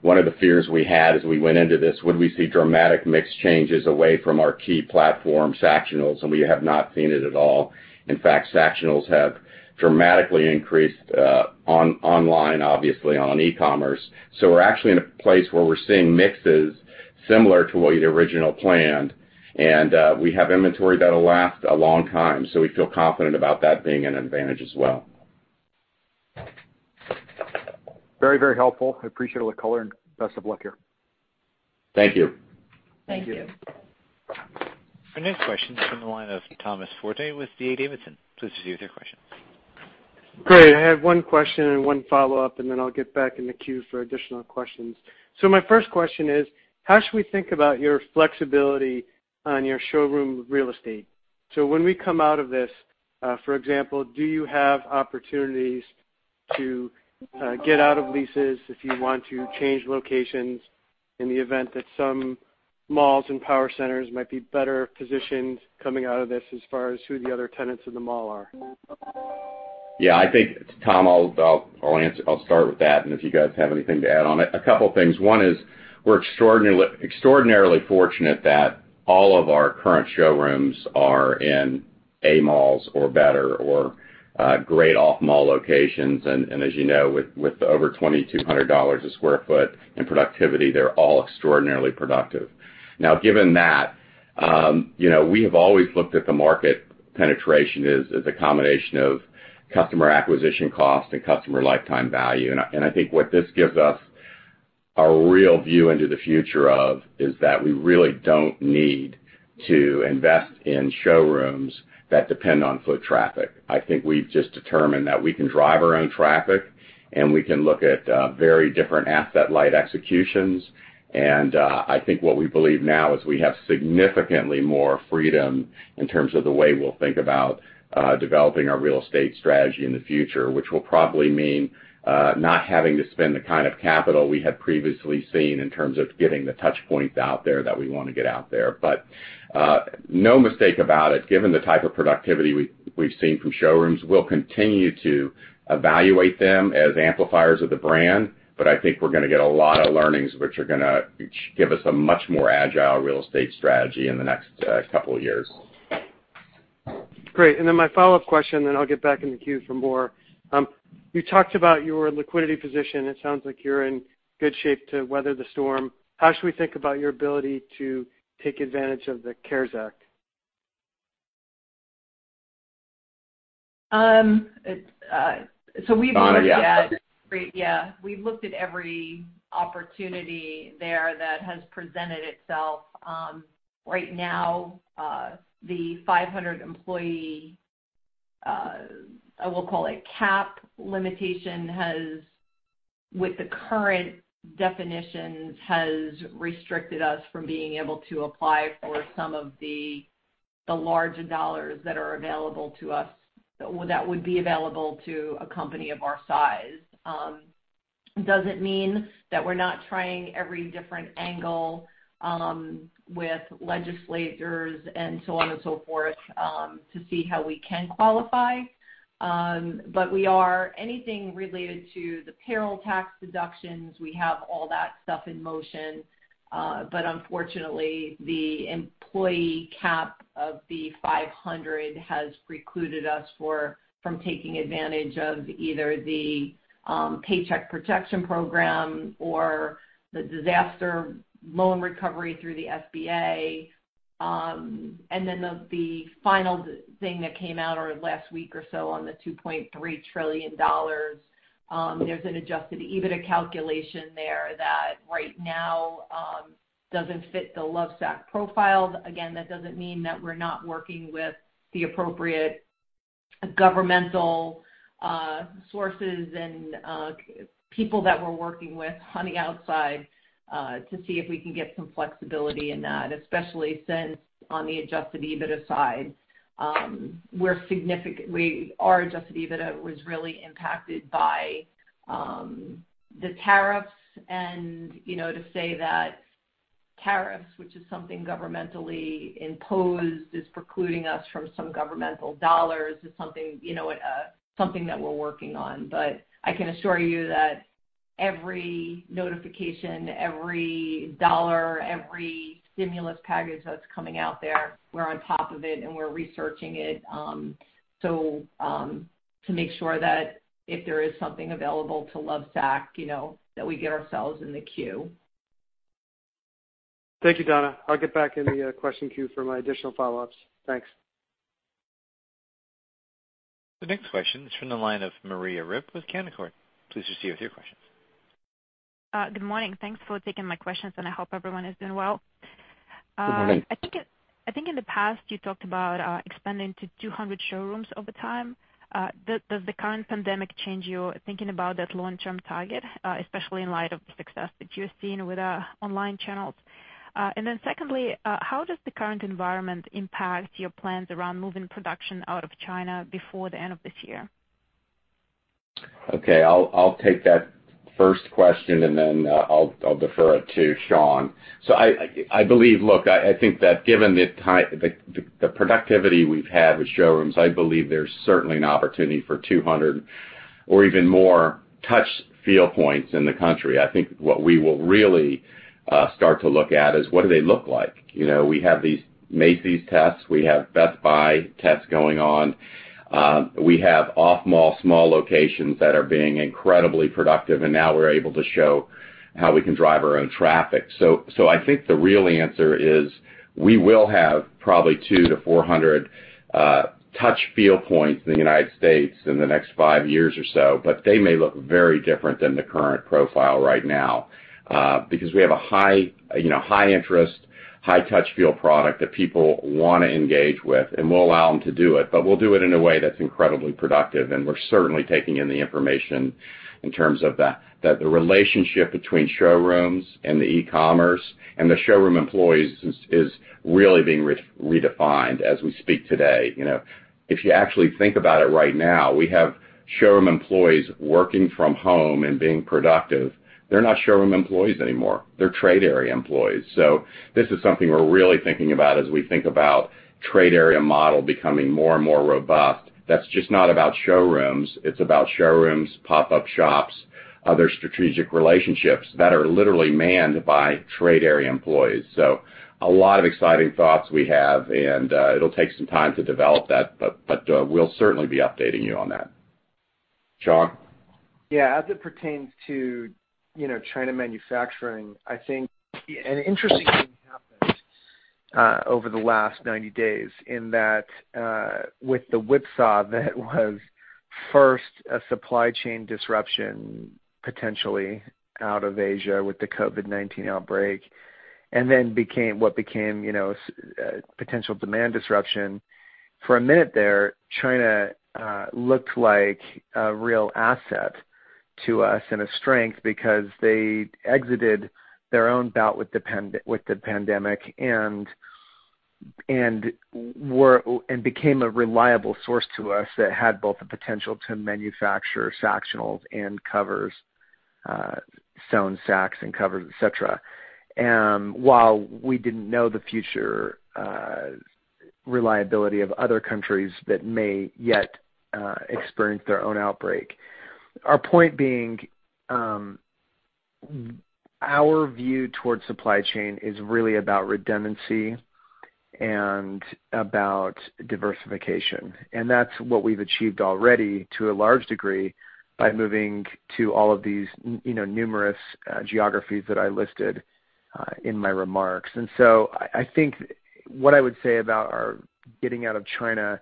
[SPEAKER 4] One of the fears we had as we went into this, would we see dramatic mix changes away from our key platform Sactionals, and we have not seen it at all. In fact, Sactionals have dramatically increased online, obviously on e-commerce. We're actually in a place where we're seeing mixes similar to what we'd originally planned, and we have inventory that'll last a long time. We feel confident about that being an advantage as well.
[SPEAKER 6] Very, very helpful. I appreciate all the color, and best of luck here.
[SPEAKER 4] Thank you.
[SPEAKER 5] Thank you.
[SPEAKER 3] Thank you.
[SPEAKER 1] Our next question is from the line of Thomas Forte with D.A. Davidson. Please proceed with your question.
[SPEAKER 7] Great. I have one question and one follow-up, and then I'll get back in the queue for additional questions. My first question is, how should we think about your flexibility on your showroom real estate? When we come out of this, for example, do you have opportunities to get out of leases if you want to change locations in the event that some malls and power centers might be better positioned coming out of this as far as who the other tenants in the mall are?
[SPEAKER 4] Yeah. I think, Tom, I'll answer. I'll start with that, and if you guys have anything to add on it. A couple of things. One is we're extraordinarily fortunate that all of our current showrooms are in A malls or better or great off-mall locations. As you know, with over $2,200 a square foot in productivity, they're all extraordinarily productive. Now, given that, you know, we have always looked at the market penetration as a combination of customer acquisition cost and customer lifetime value. I think what this gives us our real view into the future is that we really don't need to invest in showrooms that depend on foot traffic. I think we've just determined that we can drive our own traffic, and we can look at very different asset-light executions. I think what we believe now is we have significantly more freedom in terms of the way we'll think about developing our real estate strategy in the future, which will probably mean not having to spend the kind of capital we have previously seen in terms of getting the touchpoints out there that we wanna get out there. But no mistake about it, given the type of productivity we've seen from showrooms, we'll continue to evaluate them as amplifiers of the brand, but I think we're gonna get a lot of learnings which are gonna give us a much more agile real estate strategy in the next couple years.
[SPEAKER 7] Great. My follow-up question, and then I'll get back in the queue for more. You talked about your liquidity position. It sounds like you're in good shape to weather the storm. How should we think about your ability to take advantage of the CARES Act?
[SPEAKER 5] We've looked at.
[SPEAKER 4] Donna, yeah.
[SPEAKER 5] Great, yeah. We've looked at every opportunity there that has presented itself. Right now, the 500-employee cap limitation has, with the current definitions, restricted us from being able to apply for some of the larger dollars that are available to us or that would be available to a company of our size. Doesn't mean that we're not trying every different angle with legislators and so on and so forth to see how we can qualify. We are anything related to the payroll tax deductions; we have all that stuff in motion. Unfortunately, the employee cap of the 500 has precluded us from taking advantage of either the Paycheck Protection Program or the Disaster Loan recovery through the SBA. The final thing that came out over the last week or so on the $2.3 trillion, there's an adjusted EBITDA calculation there that right now doesn't fit the Lovesac profile. Again, that doesn't mean that we're not working with the appropriate governmental sources and people that we're working with on the outside to see if we can get some flexibility in that, especially since on the adjusted EBITDA side, our adjusted EBITDA was really impacted by the tariffs. You know, to say that tariffs, which is something governmentally imposed, is precluding us from some governmental dollars is something that we're working on. I can assure you that every notification, every dollar, every stimulus package that's coming out there, we're on top of it, and we're researching it, so, to make sure that if there is something available to Lovesac, you know, that we get ourselves in the queue.
[SPEAKER 7] Thank you, Donna. I'll get back in the question queue for my additional follow-ups. Thanks.
[SPEAKER 1] The next question is from the line of Maria Ripps with Canaccord. Please proceed with your questions.
[SPEAKER 8] Good morning. Thanks for taking my questions, and I hope everyone is doing well.
[SPEAKER 4] Good morning.
[SPEAKER 8] I think in the past you talked about expanding to 200 showrooms over time. Does the current pandemic change your thinking about that long-term target, especially in light of the success that you're seeing with online channels? How does the current environment impact your plans around moving production out of China before the end of this year?
[SPEAKER 4] Okay. I'll take that first question, and then I'll defer it to Shawn. Look, I think that given the productivity we've had with showrooms, I believe there's certainly an opportunity for 200 or even more touch-feel points in the country. I think what we will really start to look at is what do they look like? You know, we have these Macy's tests. We have Best Buy tests going on. We have off-mall small locations that are being incredibly productive, and now we're able to show how we can drive our own traffic. I think the real answer is we will have probably 200-400 touch-feel points in the United States in the next five years or so, but they may look very different than the current profile right now, because we have a high, you know, high interest, high touch-feel product that people wanna engage with, and we'll allow them to do it, but we'll do it in a way that's incredibly productive. We're certainly taking in the information in terms of the relationship between showrooms and the e-commerce and the showroom employees is really being redefined as we speak today. You know, if you actually think about it right now, we have showroom employees working from home and being productive. They're not showroom employees anymore. They're trade area employees. This is something we're really thinking about as we think about trade area model becoming more and more robust. That's not just about showrooms. It's about showrooms, pop-up shops, other strategic relationships that are literally manned by trade area employees. A lot of exciting thoughts we have, and it'll take some time to develop that, but we'll certainly be updating you on that. Shawn?
[SPEAKER 3] Yeah. As it pertains to, you know, China manufacturing, I think an interesting Over the last 90 days in that, with the whipsaw that was first a supply chain disruption, potentially out of Asia with the COVID-19 outbreak, and then, you know, potential demand disruption. For a minute there, China looked like a real asset to us and a strength because they exited their own bout with the pandemic and became a reliable source to us that had both the potential to manufacture Sactionals and covers, Sacs and covers, etc. While we didn't know the future reliability of other countries that may yet experience their own outbreak. Our point being, our view towards supply chain is really about redundancy and about diversification. That's what we've achieved already to a large degree by moving to all of these you know, numerous geographies that I listed in my remarks. I think what I would say about our getting out of China,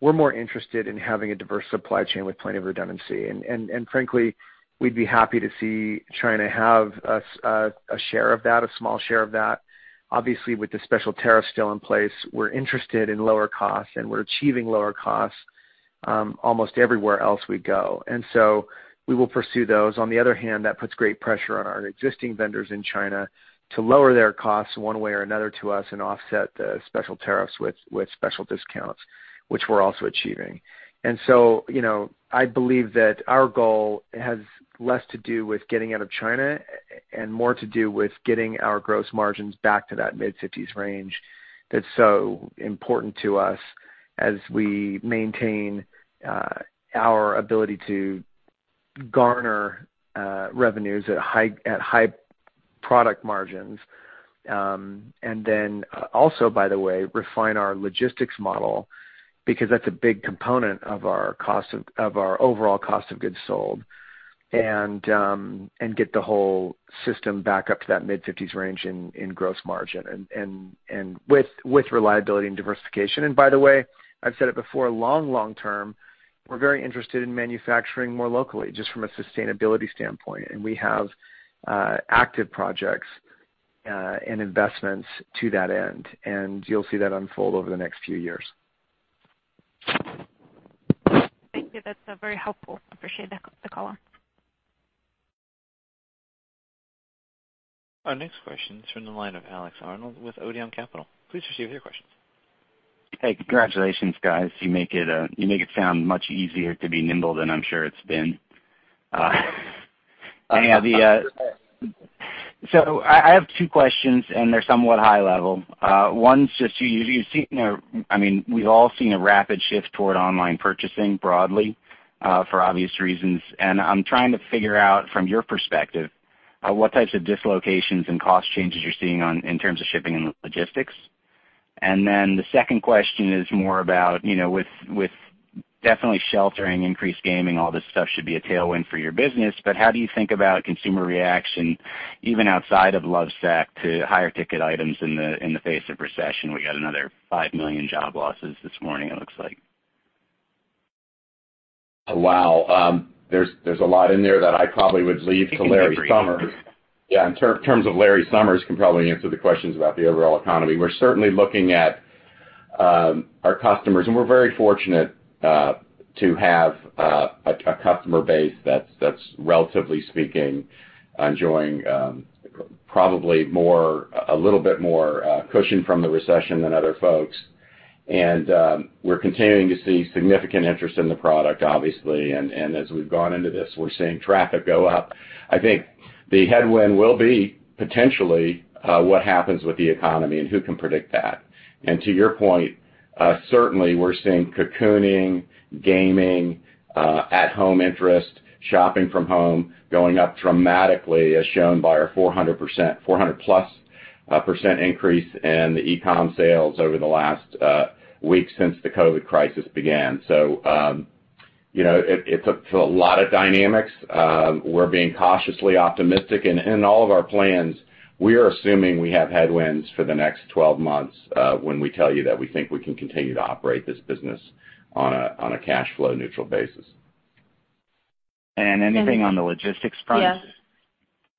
[SPEAKER 3] we're more interested in having a diverse supply chain with plenty of redundancy. Frankly, we'd be happy to see China have a share of that, a small share of that. Obviously, with the special tariffs still in place, we're interested in lower costs, and we're achieving lower costs almost everywhere else we go. We will pursue those. On the other hand, that puts great pressure on our existing vendors in China to lower their costs one way or another to us and offset the special tariffs with special discounts, which we're also achieving. You know, I believe that our goal has less to do with getting out of China and more to do with getting our gross margins back to that mid-fifties range that's so important to us as we maintain our ability to garner revenues at high product margins. Also, by the way, refine our logistics model because that's a big component of our cost of our overall cost of goods sold. Get the whole system back up to that mid-fifties range in gross margin and with reliability and diversification. By the way, I've said it before, long term, we're very interested in manufacturing more locally just from a sustainability standpoint. We have active projects and investments to that end, and you'll see that unfold over the next few years.
[SPEAKER 8] Thank you. That's very helpful. Appreciate that, the call.
[SPEAKER 1] Our next question is from the line of Alex Arnold with Odeon Capital. Please proceed with your questions.
[SPEAKER 9] Hey, congratulations, guys. You make it sound much easier to be nimble than I'm sure it's been. I have two questions, and they're somewhat high level. One's just you've seen a—I mean, we've all seen a rapid shift toward online purchasing broadly, for obvious reasons. I'm trying to figure out from your perspective, what types of dislocations and cost changes you're seeing in terms of shipping and logistics. Then the second question is more about, you know, with definitely sheltering, increased gaming, all this stuff should be a tailwind for your business, but how do you think about consumer reaction, even outside of Lovesac, to higher-ticket items in the face of recession? We got another 5 million job losses this morning, it looks like.
[SPEAKER 4] Wow. There's a lot in there that I probably would leave to Lawrence Summers. Yeah, in terms of Lawrence Summers can probably answer the questions about the overall economy. We're certainly looking at our customers, and we're very fortunate to have a customer base that's relatively speaking enjoying probably a little bit more cushion from the recession than other folks. We're continuing to see significant interest in the product, obviously. As we've gone into this, we're seeing traffic go up. I think the headwind will be potentially what happens with the economy and who can predict that. To your point, certainly we're seeing cocooning, gaming, at-home interest, shopping from home going up dramatically, as shown by our 400%, 400%+ increase in the e-com sales over the last week since the COVID crisis began. You know, it's a lot of dynamics. We're being cautiously optimistic. In all of our plans, we are assuming we have headwinds for the next 12 months when we tell you that we think we can continue to operate this business on a cash flow neutral basis.
[SPEAKER 9] Anything on the logistics front?
[SPEAKER 5] Yes.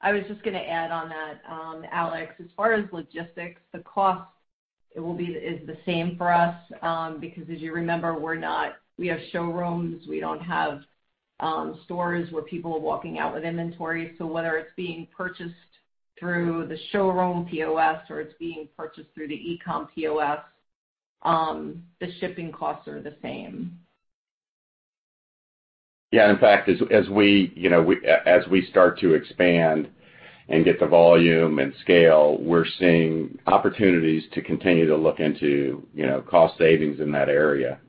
[SPEAKER 5] I was just gonna add on that. Alex, as far as logistics, the cost is the same for us, because as you remember, we have showrooms. We don't have stores where people are walking out with inventory. So whether it's being purchased through the showroom POS or it's being purchased through the e-com POS, the shipping costs are the same.
[SPEAKER 4] Yeah. In fact, as we start to expand and get the volume and scale, we're seeing opportunities to continue to look into, you know, cost savings in that area.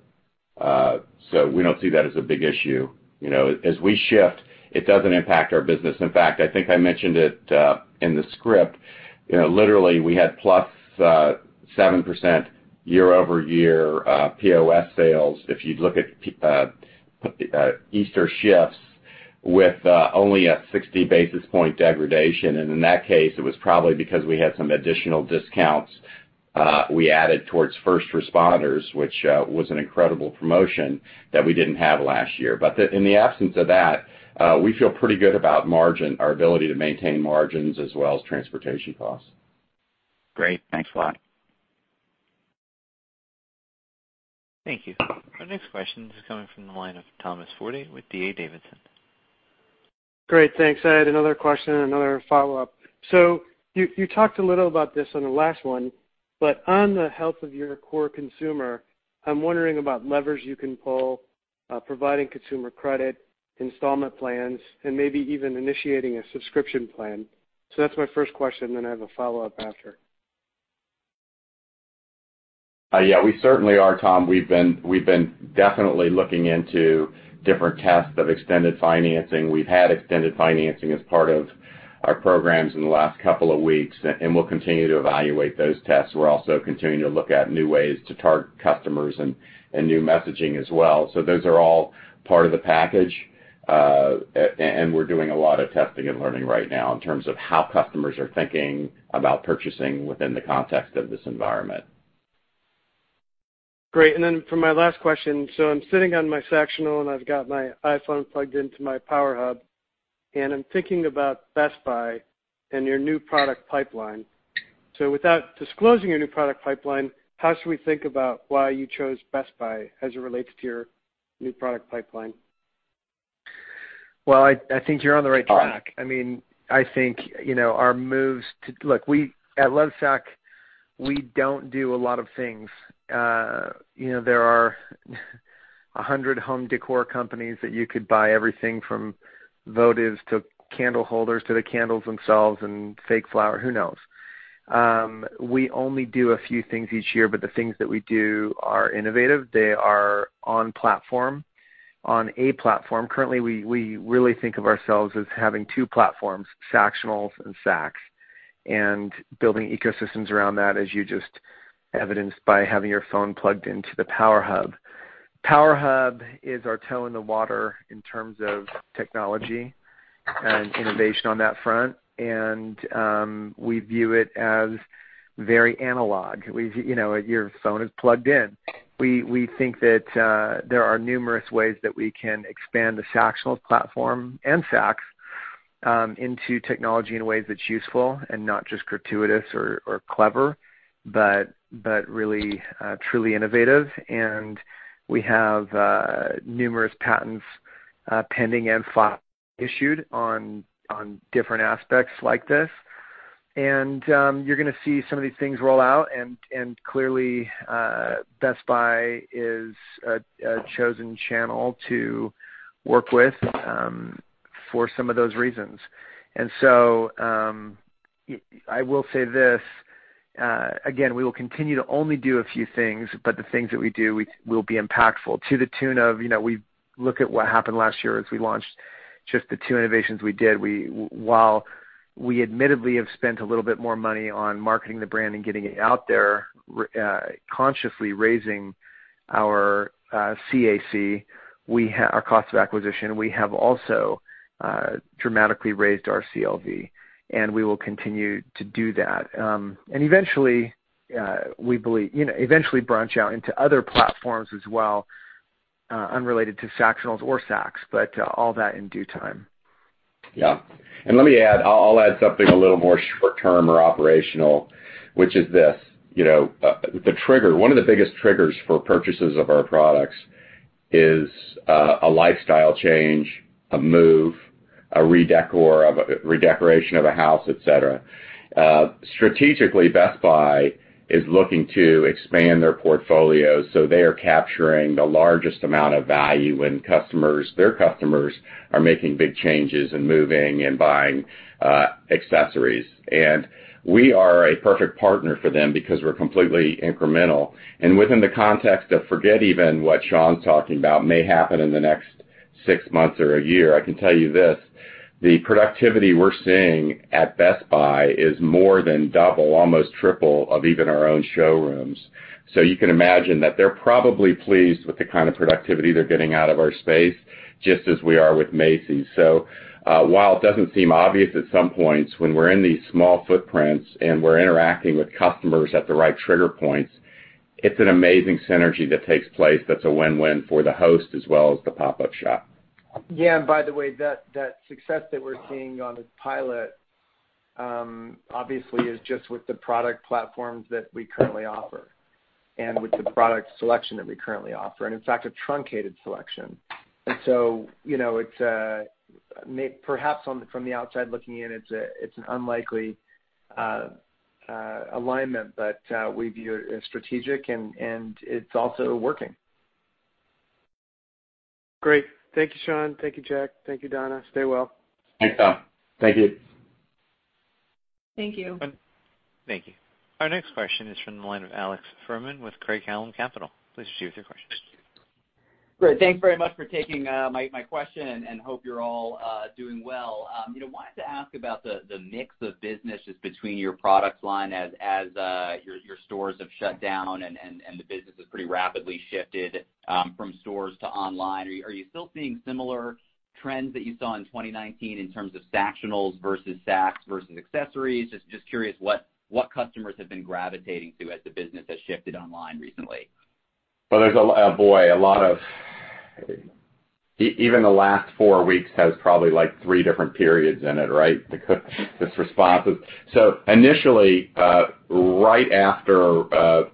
[SPEAKER 4] So we don't see that as a big issue. You know, as we shift, it doesn't impact our business. In fact, I think I mentioned it in the script. You know, literally, we had +7% year-over-year POS sales. If you look at POS Easter shifts with only a 60 basis point degradation, and in that case, it was probably because we had some additional discounts we added towards first responders, which was an incredible promotion that we didn't have last year. In the absence of that, we feel pretty good about margin, our ability to maintain margins as well as transportation costs.
[SPEAKER 9] Great. Thanks a lot.
[SPEAKER 1] Thank you. Our next question is coming from the line of Thomas Forte with D.A. Davidson.
[SPEAKER 7] Great, thanks. I had another question, another follow-up. You talked a little about this on the last one, but on the health of your core consumer, I'm wondering about levers you can pull, providing consumer credit, installment plans, and maybe even initiating a subscription plan. That's my first question, then I have a follow-up after.
[SPEAKER 4] Yeah, we certainly are, Tom. We've been definitely looking into different tests of extended financing. We've had extended financing as part of our programs in the last couple of weeks, and we'll continue to evaluate those tests. We're also continuing to look at new ways to target customers and new messaging as well. Those are all part of the package. We're doing a lot of testing and learning right now in terms of how customers are thinking about purchasing within the context of this environment.
[SPEAKER 7] Great. For my last question, I'm sitting on my Sactionals, and I've got my iPhone plugged into my Power Hub, and I'm thinking about Best Buy and your new product pipeline. Without disclosing your new product pipeline, how should we think about why you chose Best Buy as it relates to your new product pipeline?
[SPEAKER 3] Well, I think you're on the right track. I mean, I think, you know, Look, we at Lovesac, we don't do a lot of things. You know, there are 100 home decor companies that you could buy everything from votives to candle holders to the candles themselves and fake flowers. Who knows? We only do a few things each year, but the things that we do are innovative. They are on platform, on a platform. Currently, we really think of ourselves as having two platforms, Sactionals and Sacs, and building ecosystems around that, as you just evidenced by having your phone plugged into the Power Hub. Power Hub is our toe in the water in terms of technology and innovation on that front, and we view it as very analog. You know, your phone is plugged in. We think that there are numerous ways that we can expand the Sactionals platform and Sacs into technology in ways that's useful and not just gratuitous or clever, but really truly innovative. We have numerous patents pending and issued on different aspects like this. You're gonna see some of these things roll out and clearly Best Buy is a chosen channel to work with for some of those reasons. I will say this again, we will continue to only do a few things, but the things that we do will be impactful to the tune of, you know, we look at what happened last year as we launched just the two innovations we did. While we admittedly have spent a little bit more money on marketing the brand and getting it out there, consciously raising our CAC, our cost of acquisition, we have also dramatically raised our CLV, and we will continue to do that. Eventually, we believe, you know, eventually branch out into other platforms as well, unrelated to Sactionals or Sacs, but all that in due time.
[SPEAKER 4] Yeah. Let me add something a little more short-term or operational, which is this, you know, the trigger. One of the biggest triggers for purchases of our products is a lifestyle change, a move, a redecoration of a house, et cetera. Strategically, Best Buy is looking to expand their portfolio, so they are capturing the largest amount of value when customers, their customers are making big changes and moving and buying accessories. We are a perfect partner for them because we're completely incremental. Within the context of forget even what Shawn's talking about may happen in the next six months or a year, I can tell you this, the productivity we're seeing at Best Buy is more than double, almost triple of even our own showrooms. You can imagine that they're probably pleased with the kind of productivity they're getting out of our space, just as we are with Macy's. While it doesn't seem obvious at some points, when we're in these small footprints and we're interacting with customers at the right trigger points, it's an amazing synergy that takes place that's a win-win for the host as well as the pop-up shop.
[SPEAKER 3] Yeah. By the way, that success that we're seeing on the pilot obviously is just with the product platforms that we currently offer and with the product selection that we currently offer, and in fact, a truncated selection. You know, perhaps from the outside looking in, it's an unlikely alignment, but we view it as strategic and it's also working.
[SPEAKER 7] Great. Thank you, Shawn. Thank you, Jack. Thank you, Donna. Stay well.
[SPEAKER 4] Thanks, Tom. Thank you.
[SPEAKER 7] Thank you.
[SPEAKER 1] Thank you. Our next question is from the line of Alex Fuhrman with Craig-Hallum Capital. Please proceed with your question.
[SPEAKER 10] Great. Thanks very much for taking my question, and I hope you're all doing well. You know, wanted to ask about the mix of business between your product lines as your stores have shut down and the business has pretty rapidly shifted from stores to online. Are you still seeing similar trends that you saw in 2019 in terms of Sactionals versus Sacs versus accessories? Just curious what customers have been gravitating to as the business has shifted online recently.
[SPEAKER 4] Well, there's a lot of. Even the last four weeks has probably, like, three different periods in it, right? Because this response is initially, right after,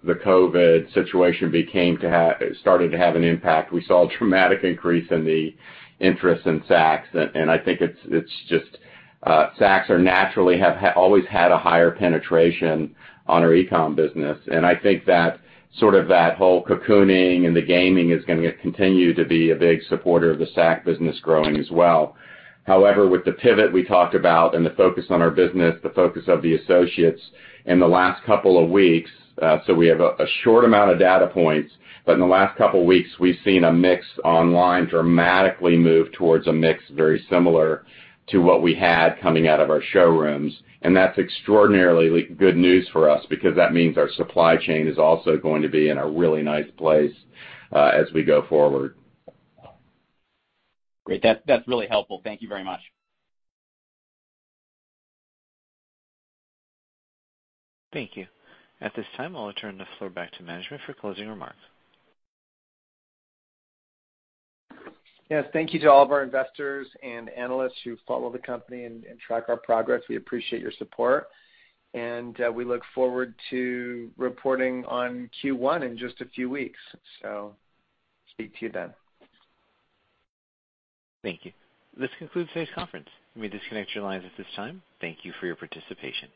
[SPEAKER 4] the COVID situation started to have an impact, we saw a dramatic increase in the interest in Sacs. I think it's just, Sacs are naturally always had a higher penetration on our e-com business. I think that sort of that whole cocooning and the gaming is gonna continue to be a big supporter of the Sac business growing as well. However, with the pivot we talked about and the focus on our business, the focus of the associates in the last couple of weeks, so we have a short amount of data points, but in the last couple weeks, we've seen a mix online dramatically move towards a mix very similar to what we had coming out of our showrooms. That's extraordinarily good news for us because that means our supply chain is also going to be in a really nice place, as we go forward.
[SPEAKER 10] Great. That's really helpful. Thank you very much.
[SPEAKER 1] Thank you. At this time, I'll return the floor back to management for closing remarks.
[SPEAKER 3] Yes, thank you to all of our investors and analysts who follow the company and track our progress. We appreciate your support, and we look forward to reporting on Q1 in just a few weeks. Speak to you then.
[SPEAKER 1] Thank you. This concludes today's conference. You may disconnect your lines at this time. Thank you for your participation.